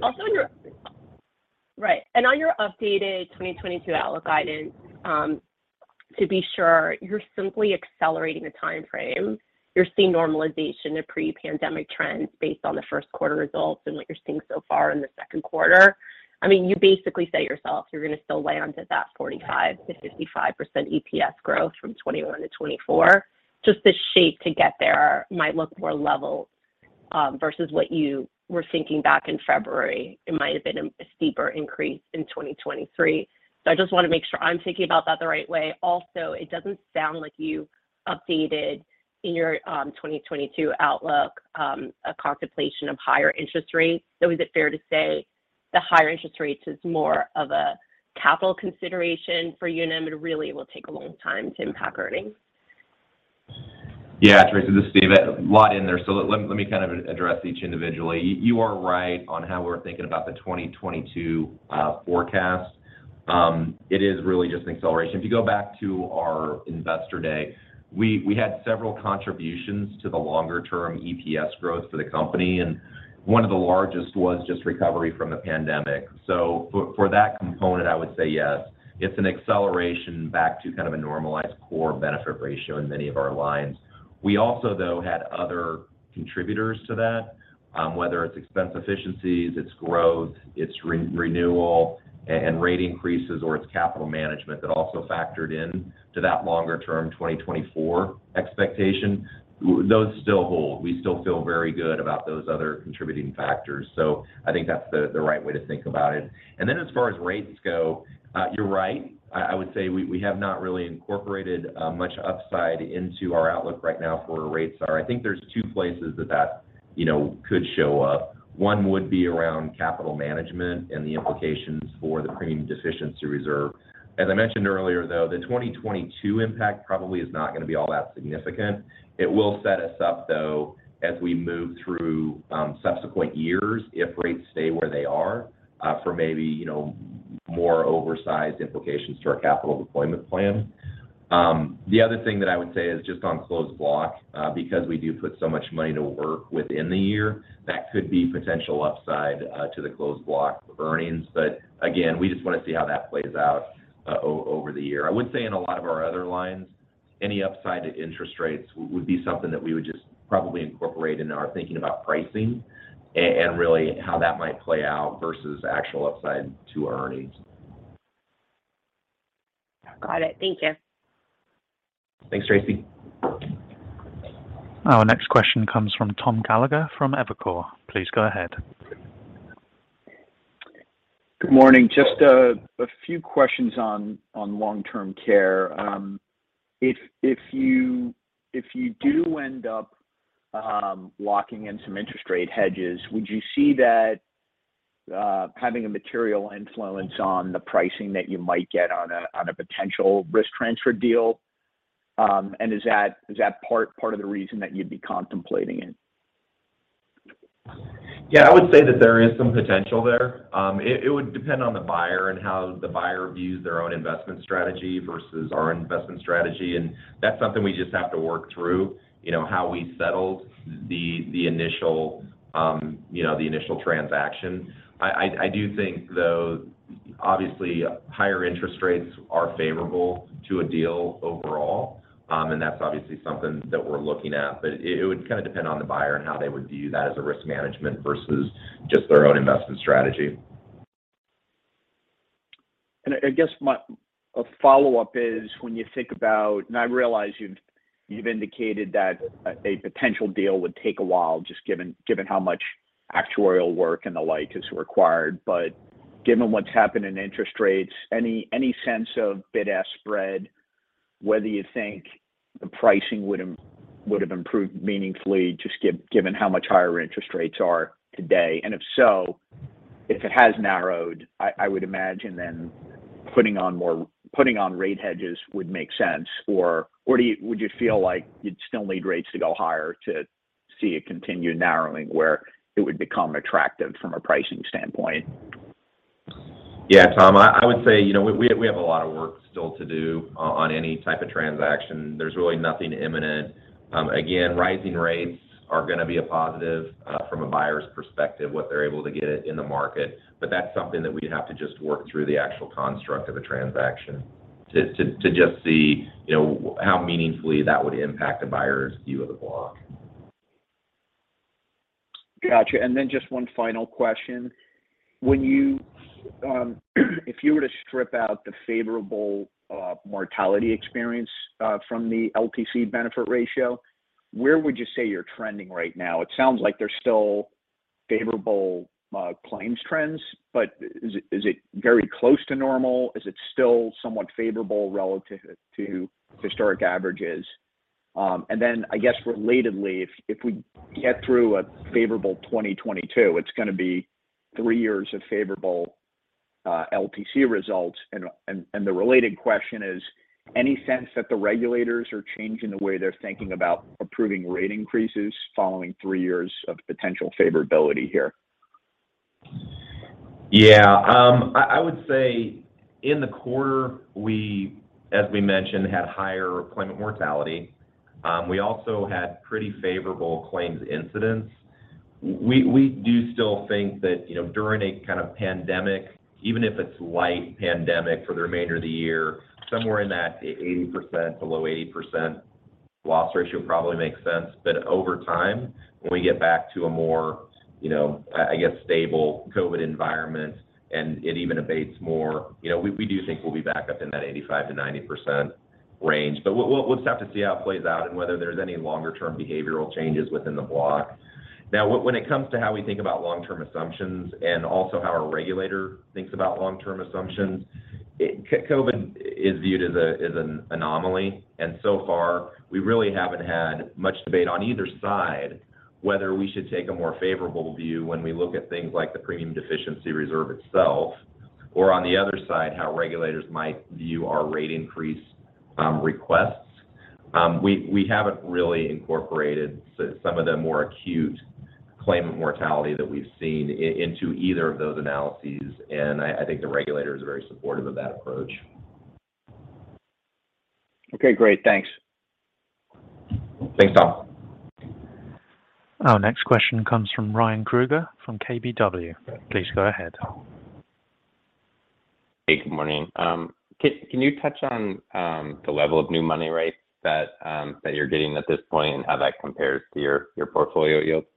On your updated 2022 outlook guidance, to be sure you're simply accelerating the timeframe, you're seeing normalization of pre-pandemic trends based on the first quarter results and what you're seeing so far in the second quarter. I mean, you basically say yourself you're gonna still land at that 45%-55% EPS growth from 2021 to 2024. Just the shape to get there might look more level, versus what you were thinking back in February. It might have been a steeper increase in 2023. I just wanna make sure I'm thinking about that the right way. Also, it doesn't sound like you updated in your 2022 outlook, a contemplation of higher interest rates. Is it fair to say the higher interest rates is more of a capital consideration for Unum and really will take a long time to impact earnings? Yeah, Tracy Benguigui, this is Steve Zabel. A lot in there. Let me kind of address each individually. You are right on how we're thinking about the 2022 forecast. It is really just an acceleration. If you go back to our Investor Day, we had several contributions to the longer term EPS growth for the company, and one of the largest was just recovery from the pandemic. For that component, I would say yes, it's an acceleration back to kind of a normalized core benefit ratio in many of our lines. We also, though, had other contributors to that, whether it's expense efficiencies, it's growth, it's renewal and rate increases or it's capital management that also factored in to that longer-term 2024 expectation. Those still hold. We still feel very good about those other contributing factors. I think that's the right way to think about it. As far as rates go, you're right. I would say we have not really incorporated much upside into our outlook right now for where rates are. I think there's two places that you know could show up. One would be around capital management and the implications for the premium deficiency reserve. As I mentioned earlier, though, the 2022 impact probably is not going to be all that significant. It will set us up, though, as we move through subsequent years if rates stay where they are, for maybe you know more oversized implications to our capital deployment plan. The other thing that I would say is just on closed block, because we do put so much money to work within the year, that could be potential upside to the closed block earnings. But again, we just want to see how that plays out over the year. I would say in a lot of our other lines, any upside to interest rates would be something that we would just probably incorporate into our thinking about pricing and really how that might play out versus actual upside to our earnings. Got it. Thank you. Thanks, Tracy. Our next question comes from Tom Gallagher from Evercore. Please go ahead. Good morning. Just a few questions on long-term care. If you do end up locking in some interest rate hedges, would you see that having a material influence on the pricing that you might get on a potential risk transfer deal? Is that part of the reason that you'd be contemplating it? Yeah, I would say that there is some potential there. It would depend on the buyer and how the buyer views their own investment strategy versus our investment strategy. That's something we just have to work through, you know, how we settled the initial transaction. I do think, though, obviously higher interest rates are favorable to a deal overall, and that's obviously something that we're looking at. It would kind of depend on the buyer and how they would view that as a risk management versus just their own investment strategy. I guess my follow-up is when you think about, and I realize you've indicated that a potential deal would take a while just given how much actuarial work and the like is required. Given what's happened in interest rates, any sense of bid-ask spread, whether you think the pricing would have improved meaningfully just given how much higher interest rates are today? If so, if it has narrowed, I would imagine then putting on rate hedges would make sense. Or do you feel like you'd still need rates to go higher to see a continued narrowing where it would become attractive from a pricing standpoint? Yeah, Tom, I would say, you know, we have a lot of work still to do on any type of transaction. There's really nothing imminent. Again, rising rates are going to be a positive from a buyer's perspective, what they're able to get in the market. But that's something that we'd have to just work through the actual construct of a transaction to just see, you know, how meaningfully that would impact a buyer's view of the block. Got you. Then just one final question. When you, if you were to strip out the favorable mortality experience from the LTC benefit ratio, where would you say you're trending right now? It sounds like there's still favorable claims trends, but is it very close to normal? Is it still somewhat favorable relative to historic averages? And then I guess relatedly, if we get through a favorable 2022, it's going to be three years of favorable LTC results. And the related question is, any sense that the regulators are changing the way they're thinking about approving rate increases following three years of potential favorability here? Yeah, I would say in the quarter, we, as we mentioned, had higher than anticipated mortality. We also had pretty favorable claims incidence. We do still think that, you know, during a kind of pandemic, even if it's light pandemic for the remainder of the year, somewhere in that 80%, below 80% loss ratio probably makes sense. But over time, when we get back to a more, you know, I guess, stable COVID environment and it even abates more, you know, we do think we'll be back up in that 85%-90% range. But we'll just have to see how it plays out and whether there's any longer-term behavioral changes within the block. Now, when it comes to how we think about long-term assumptions and also how our regulator thinks about long-term assumptions, COVID is viewed as an anomaly. So far, we really haven't had much debate on either side, whether we should take a more favorable view when we look at things like the premium deficiency reserve itself. Or on the other side, how regulators might view our rate increase requests. We haven't really incorporated some of the more acute claimant mortality that we've seen into either of those analyses, and I think the regulators are very supportive of that approach. Okay, great. Thanks. Thanks, Tom. Our next question comes from Ryan Krueger from KBW. Please go ahead. Hey, good morning. Can you touch on the level of new money rates that you're getting at this point and how that compares to your portfolio yields?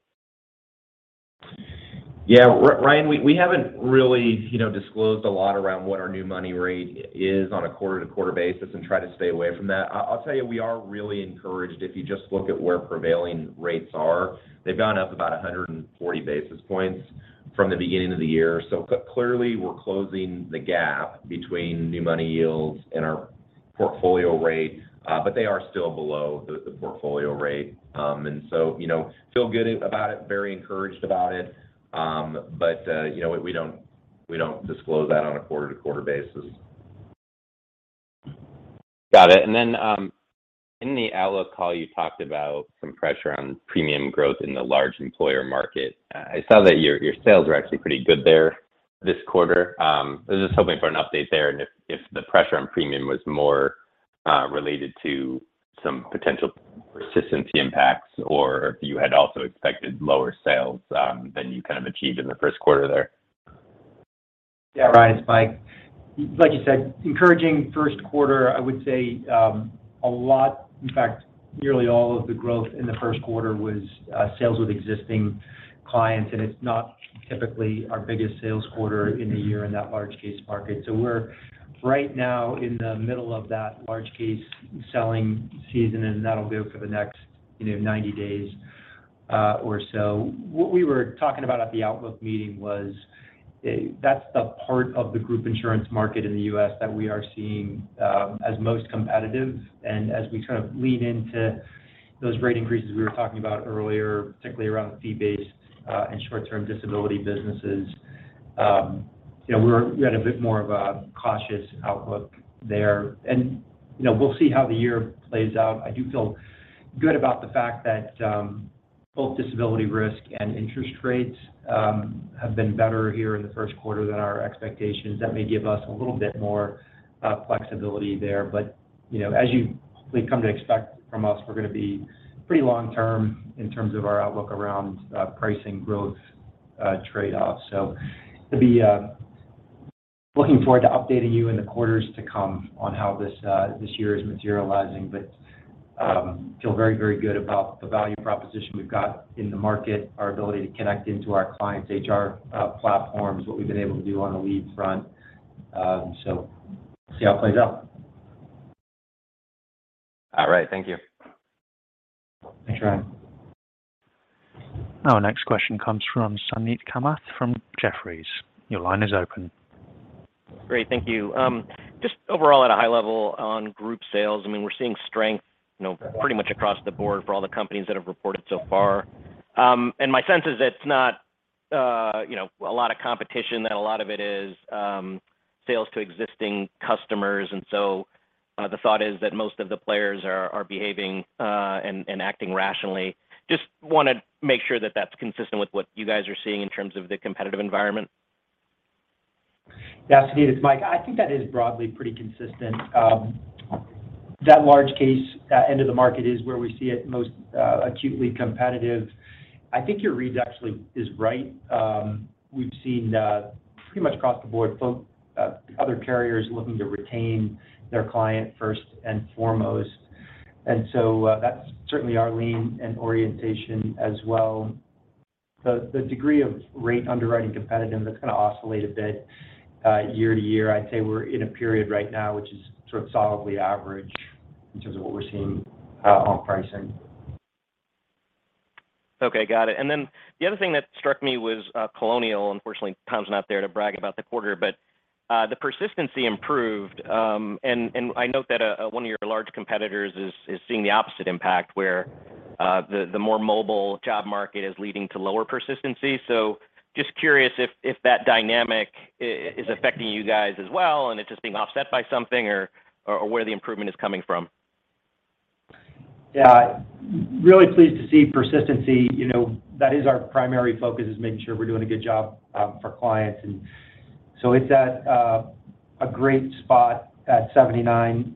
Yeah. Ryan, we haven't really, you know, disclosed a lot around what our new money rate is on a quarter-to-quarter basis and try to stay away from that. I'll tell you, we are really encouraged if you just look at where prevailing rates are. They've gone up about 140 basis points from the beginning of the year. Clearly, we're closing the gap between new money yields and our portfolio rate, but they are still below the portfolio rate. You know, feel good about it, very encouraged about it, but, you know, we don't disclose that on a quarter-to-quarter basis. Got it. In the outlook call, you talked about some pressure on premium growth in the large employer market. I saw that your sales were actually pretty good there this quarter. I was just hoping for an update there, and if the pressure on premium was more related to some potential persistency impacts, or if you had also expected lower sales than you kind of achieved in the first quarter there. Yeah, Ryan, it's Mike. Like you said, encouraging first quarter. I would say a lot, in fact, nearly all of the growth in the first quarter was sales with existing clients, and it's not typically our biggest sales quarter in the year in that large case market. We're right now in the middle of that large case selling season, and that'll go for the next, you know, 90 days or so. What we were talking about at the outlook meeting was that's the part of the group insurance market in the U.S. that we are seeing as most competitive. As we kind of lean into those rate increases we were talking about earlier, particularly around fee-based and short-term disability businesses, you know, we had a bit more of a cautious outlook there. You know, we'll see how the year plays out. I do feel good about the fact that both disability risk and interest rates have been better here in the first quarter than our expectations. That may give us a little bit more flexibility there. You know, as you've come to expect from us, we're going to be pretty long term in terms of our outlook around pricing growth, trade-offs. Looking forward to updating you in the quarters to come on how this year is materializing. Feel very, very good about the value proposition we've got in the market, our ability to connect into our clients' HR platforms, what we've been able to do on the lead front. We'll see how it plays out. All right. Thank you. Thanks, Ryan. Our next question comes from Suneet Kamath from Jefferies. Your line is open. Great. Thank you. Just overall at a high level on group sales, I mean, we're seeing strength, you know, pretty much across the board for all the companies that have reported so far. My sense is it's not, you know, a lot of competition, that a lot of it is sales to existing customers. The thought is that most of the players are behaving and acting rationally. Just wanna make sure that that's consistent with what you guys are seeing in terms of the competitive environment. Yeah, Suneet, it's Mike. I think that is broadly pretty consistent. That large case end of the market is where we see it most acutely competitive. I think your read actually is right. We've seen pretty much across the board folks other carriers looking to retain their client first and foremost. That's certainly our lean and orientation as well. The degree of rate underwriting competitiveness, that's gonna oscillate a bit year to year. I'd say we're in a period right now which is sort of solidly average in terms of what we're seeing on pricing. Okay. Got it. Then the other thing that struck me was Colonial. Unfortunately, Tom's not there to brag about the quarter, but the persistency improved. And I note that one of your large competitors is seeing the opposite impact, where the more mobile job market is leading to lower persistency. Just curious if that dynamic is affecting you guys as well, and it's just being offset by something or where the improvement is coming from. Yeah. Really pleased to see persistency. You know, that is our primary focus, is making sure we're doing a good job for clients. It's at a great spot at 79%,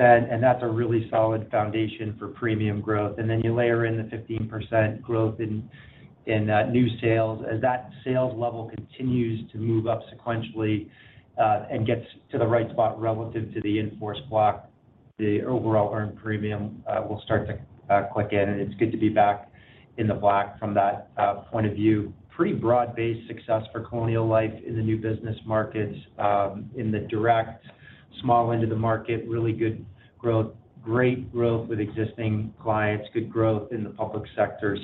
and that's a really solid foundation for premium growth. Then you layer in the 15% growth in new sales. As that sales level continues to move up sequentially and gets to the right spot relative to the in-force block, the overall earned premium will start to click in. It's good to be back in the black from that point of view. Pretty broad-based success for Colonial Life in the new business markets in the direct small end of the market, really good growth, great growth with existing clients, good growth in the public sector.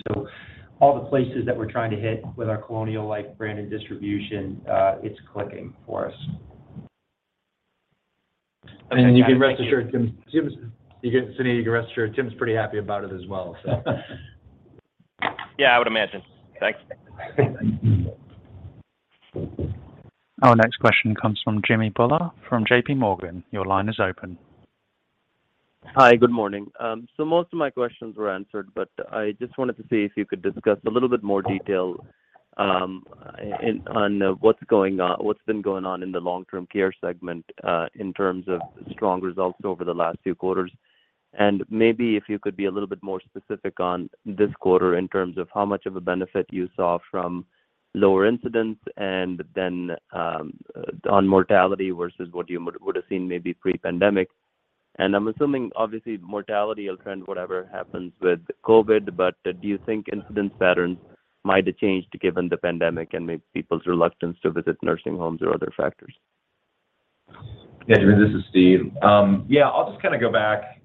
All the places that we're trying to hit with our Colonial Life brand and distribution, it's clicking for us. You can rest assured, Sunny, Tim's pretty happy about it as well, so. Yeah, I would imagine. Thanks. Our next question comes from Jimmy Bhullar from JPMorgan. Your line is open. Hi, good morning. So most of my questions were answered, but I just wanted to see if you could discuss a little bit more detail on what's going on, what's been going on in the long-term care segment in terms of strong results over the last few quarters. Maybe if you could be a little bit more specific on this quarter in terms of how much of a benefit you saw from lower incidence and then on mortality versus what you would have seen maybe pre-pandemic. I'm assuming obviously mortality will trend whatever happens with COVID, but do you think incidence patterns might have changed given the pandemic and maybe people's reluctance to visit nursing homes or other factors? Yeah, Jimmy Bhullar, this is Steve Zabel. Yeah, I'll just kind of go back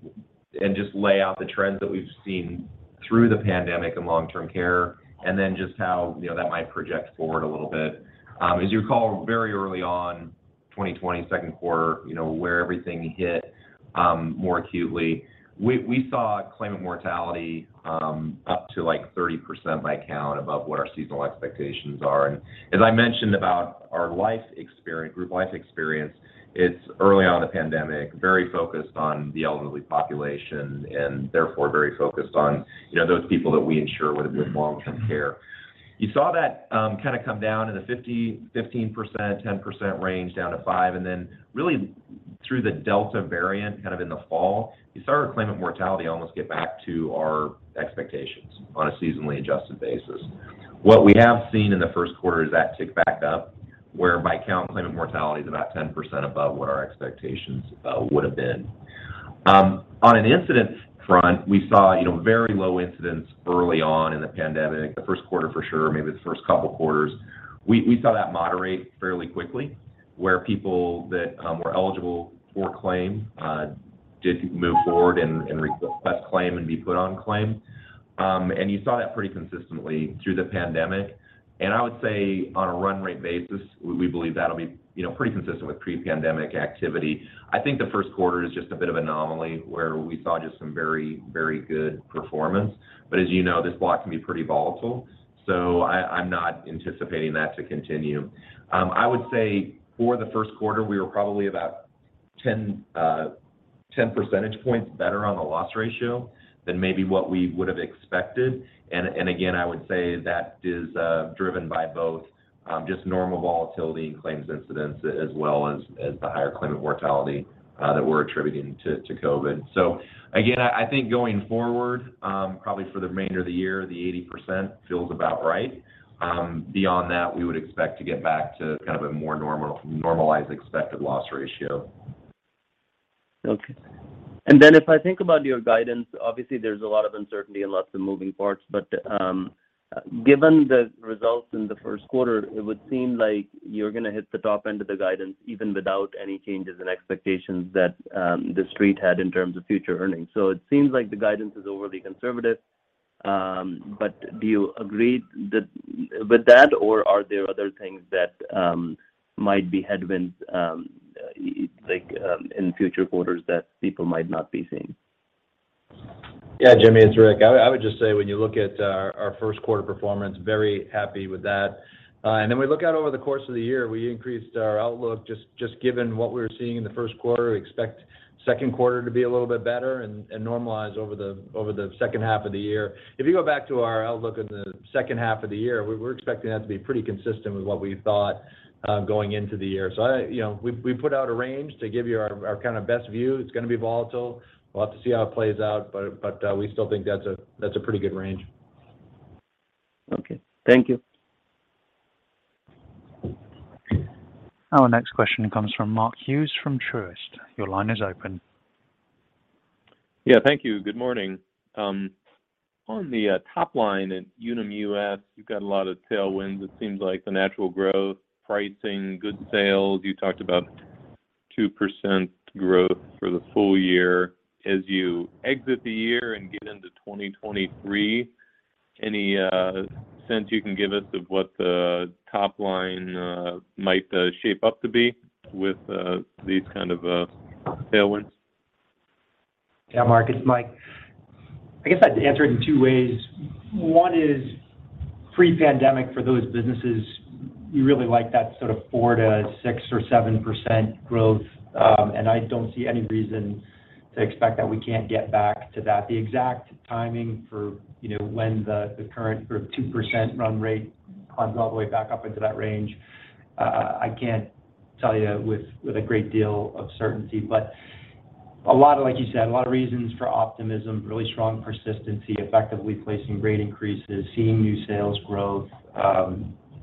and just lay out the trends that we've seen through the pandemic in long-term care, and then just how, you know, that might project forward a little bit. As you recall, very early on, 2020, second quarter, you know, where everything hit more acutely, we saw claimant mortality up to like 30% by count above what our seasonal expectations are. As I mentioned about our life experience, group life experience, it's early on in the pandemic, very focused on the elderly population and therefore very focused on, you know, those people that we insure would have been long-term care. You saw that kind of come down in the 50%-15%-10% range down to 5%, and then really through the Delta variant kind of in the fall, you started to see that mortality almost get back to our expectations on a seasonally adjusted basis. What we have seen in the first quarter is that tick back up, where by count, claimant mortality is about 10% above what our expectations would have been. On an incidence front, we saw you know very low incidence early on in the pandemic, the first quarter for sure, maybe the first couple quarters. We saw that moderate fairly quickly, where people that were eligible for claim did move forward and request claim and be put on claim. You saw that pretty consistently through the pandemic. I would say on a run rate basis, we believe that'll be, you know, pretty consistent with pre-pandemic activity. I think the first quarter is just a bit of an anomaly where we saw just some very, very good performance. As you know, this block can be pretty volatile, so I'm not anticipating that to continue. I would say for the first quarter, we were probably about 10 percentage points better on the loss ratio than maybe what we would have expected. Again, I would say that is driven by both just normal volatility and claims incidents as well as the higher claimant mortality that we're attributing to COVID. Again, I think going forward, probably for the remainder of the year, the 80% feels about right. Beyond that, we would expect to get back to kind of a more normalized expected loss ratio. Okay. Then if I think about your guidance, obviously there's a lot of uncertainty and lots of moving parts. Given the results in the first quarter, it would seem like you're going to hit the top end of the guidance even without any changes in expectations that the Street had in terms of future earnings. It seems like the guidance is overly conservative. Do you agree with that, or are there other things that might be headwinds, like in future quarters that people might not be seeing? Yeah, Jimmy Bhullar, it's Rick McKenney. I would just say when you look at our first quarter performance, very happy with that. We look out over the course of the year, we increased our outlook just given what we were seeing in the first quarter. We expect second quarter to be a little bit better and normalize over the second half of the year. If you go back to our outlook in the second half of the year, we were expecting that to be pretty consistent with what we thought, going into the year. I you know, we put out a range to give you our kind of best view. It's going to be volatile. We'll have to see how it plays out, but we still think that's a pretty good range. Okay. Thank you. Our next question comes from Mark Hughes from Truist. Your line is open. Yeah. Thank you. Good morning. On the top line at Unum U.S., you've got a lot of tailwinds, it seems like the natural growth, pricing, good sales. You talked about 2% growth for the full year. As you exit the year and get into 2023, any sense you can give us of what the top line might shape up to be with these kind of tailwinds? Yeah, Mark, it's Mike. I guess I'd answer it in two ways. One is pre-pandemic for those businesses, we really like that sort of 4%-6% or 7% growth. I don't see any reason to expect that we can't get back to that. The exact timing for, you know, when the current sort of 2% run rate climbs all the way back up into that range, I can't tell you with a great deal of certainty. A lot of like you said, a lot of reasons for optimism, really strong persistency, effectively placing rate increases, seeing new sales growth,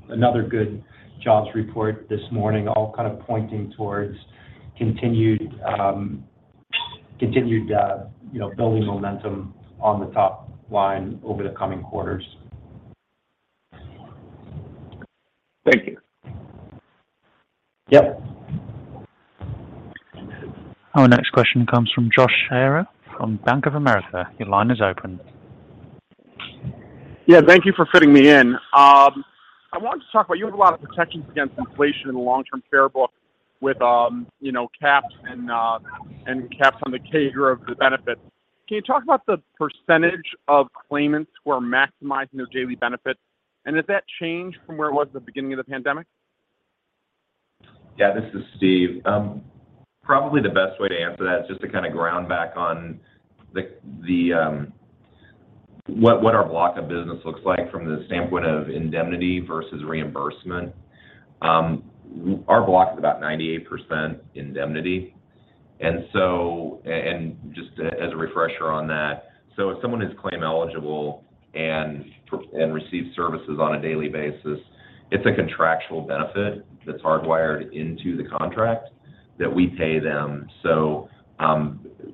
another good jobs report this morning, all kind of pointing towards continued you know, building momentum on the top line over the coming quarters. Thank you. Yep. Our next question comes from Josh Shanker from Bank of America. Your line is open. Yeah, thank you for fitting me in. I want to talk about you have a lot of protections against inflation in the long-term care book with you know caps and caps on the CAGR of the benefits. Can you talk about the percentage of claimants who are maximizing their daily benefits, and does that change from where it was at the beginning of the pandemic? Yeah, this is Steve. Probably the best way to answer that is just to kind of ground back on what our block of business looks like from the standpoint of indemnity versus reimbursement. Our block is about 98% indemnity. Just as a refresher on that, if someone is claim eligible and receives services on a daily basis, it's a contractual benefit that's hardwired into the contract that we pay them.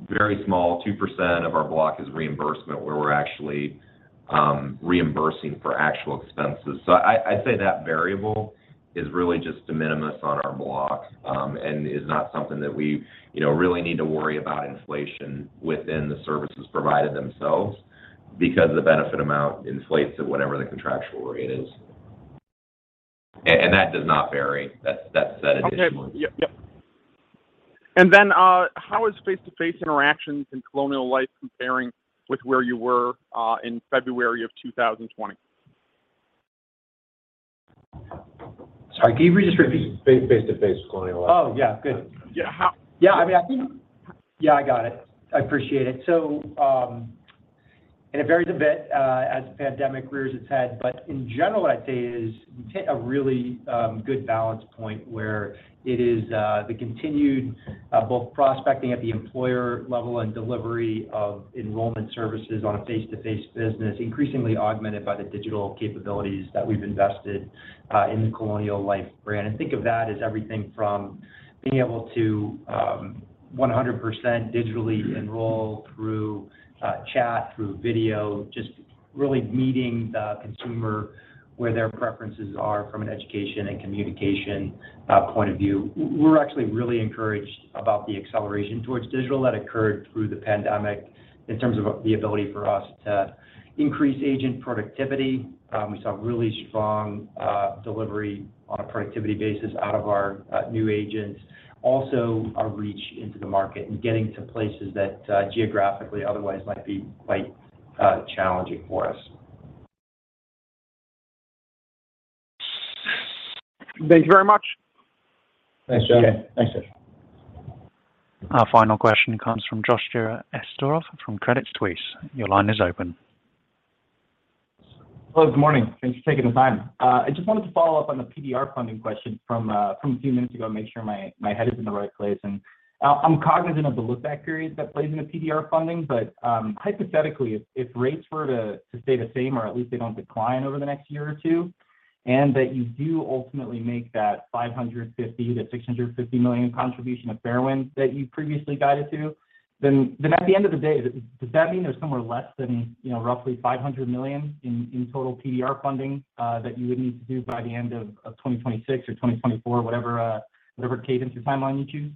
Very small, 2% of our block is reimbursement where we're actually reimbursing for actual expenses. I'd say that variable is really just de minimis on our block, and is not something that we, you know, really need to worry about inflation within the services provided themselves because the benefit amount inflates at whatever the contractual rate is. That does not vary. That's set additionally. Okay. Yep. How is face-to-face interactions in Colonial Life comparing with where you were in February of 2020? Sorry, can you just repeat? Face-to-face Colonial Life. Oh, yeah. Good. Yeah, how Yeah. I mean, I think. Yeah, I got it. I appreciate it. It varies a bit as the pandemic rears its head. In general, what I'd say is you hit a really good balance point where it is the continued both prospecting at the employer level and delivery of enrollment services on a face-to-face business, increasingly augmented by the digital capabilities that we've invested in the Colonial Life brand. Think of that as everything from being able to 100% digitally enroll through chat, through video, just really meeting the consumer where their preferences are from an education and communication point of view. We're actually really encouraged about the acceleration towards digital that occurred through the pandemic in terms of the ability for us to increase agent productivity. We saw really strong delivery on a productivity basis out of our new agents. Also, our reach into the market and getting to places that geographically otherwise might be quite challenging for us. Thank you very much. Thanks, Josh. Our final question comes from Josh Esterov from Credit Suisse. Your line is open. Hello, good morning. Thanks for taking the time. I just wanted to follow up on the PDR funding question from a few minutes ago, make sure my head is in the right place. I'm cognizant of the look-back period that plays into PDR funding. Hypothetically, if rates were to stay the same or at least they don't decline over the next year or two, and that you do ultimately make that $550 million-$650 million contribution of Fairwind that you previously guided to, then at the end of the day, does that mean there's somewhere less than, you know, roughly $500 million in total PDR funding that you would need to do by the end of 2026 or 2024, whatever cadence or timeline you choose?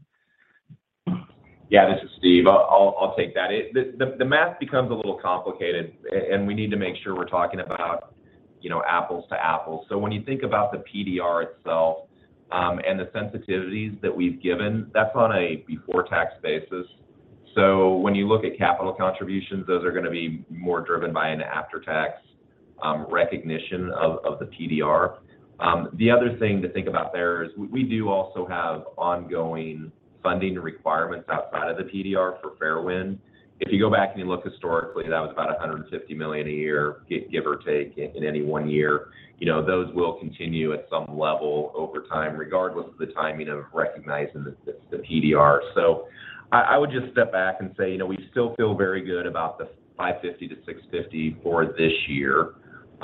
Yeah, this is Steve. I'll take that. The math becomes a little complicated and we need to make sure we're talking about, you know, apples to apples. When you think about the PDR itself and the sensitivities that we've given, that's on a before-tax basis. When you look at capital contributions, those are gonna be more driven by an after-tax recognition of the PDR. The other thing to think about there is we do also have ongoing funding requirements outside of the PDR for Fairwind. If you go back and you look historically, that was about $150 million a year, give or take, in any one year. You know, those will continue at some level over time, regardless of the timing of recognizing the PDR. I would just step back and say, you know, we still feel very good about the 5.50-6.50 for this year.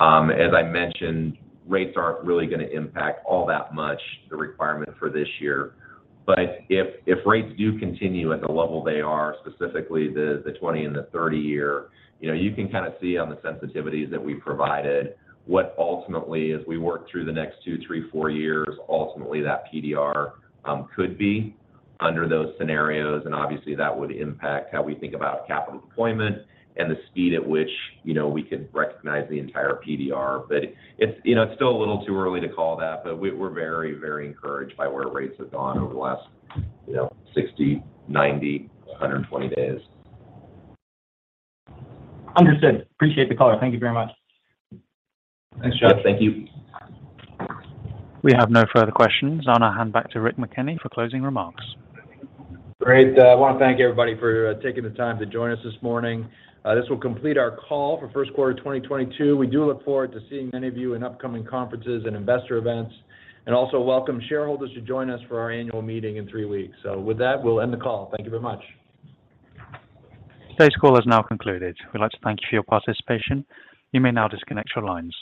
As I mentioned, rates aren't really gonna impact all that much the requirement for this year. If rates do continue at the level they are, specifically the 20- and 30-year, you know, you can kind of see on the sensitivities that we provided what ultimately as we work through the next two, three, four years, ultimately that PDR could be under those scenarios. Obviously that would impact how we think about capital deployment and the speed at which, you know, we can recognize the entire PDR. It's still a little too early to call that. We're very, very encouraged by where rates have gone over the last, you know, 60, 90, 120 days. Understood. Appreciate the call. Thank you very much. Thanks, Josh. Thank you. We have no further questions. I'm going to hand back to Rick McKenney for closing remarks. Great. I want to thank everybody for taking the time to join us this morning. This will complete our call for first quarter 2022. We do look forward to seeing many of you in upcoming conferences and investor events, and also welcome shareholders to join us for our annual meeting in three weeks. With that, we'll end the call. Thank you very much. Today's call has now concluded. We'd like to thank you for your participation. You may now disconnect your lines.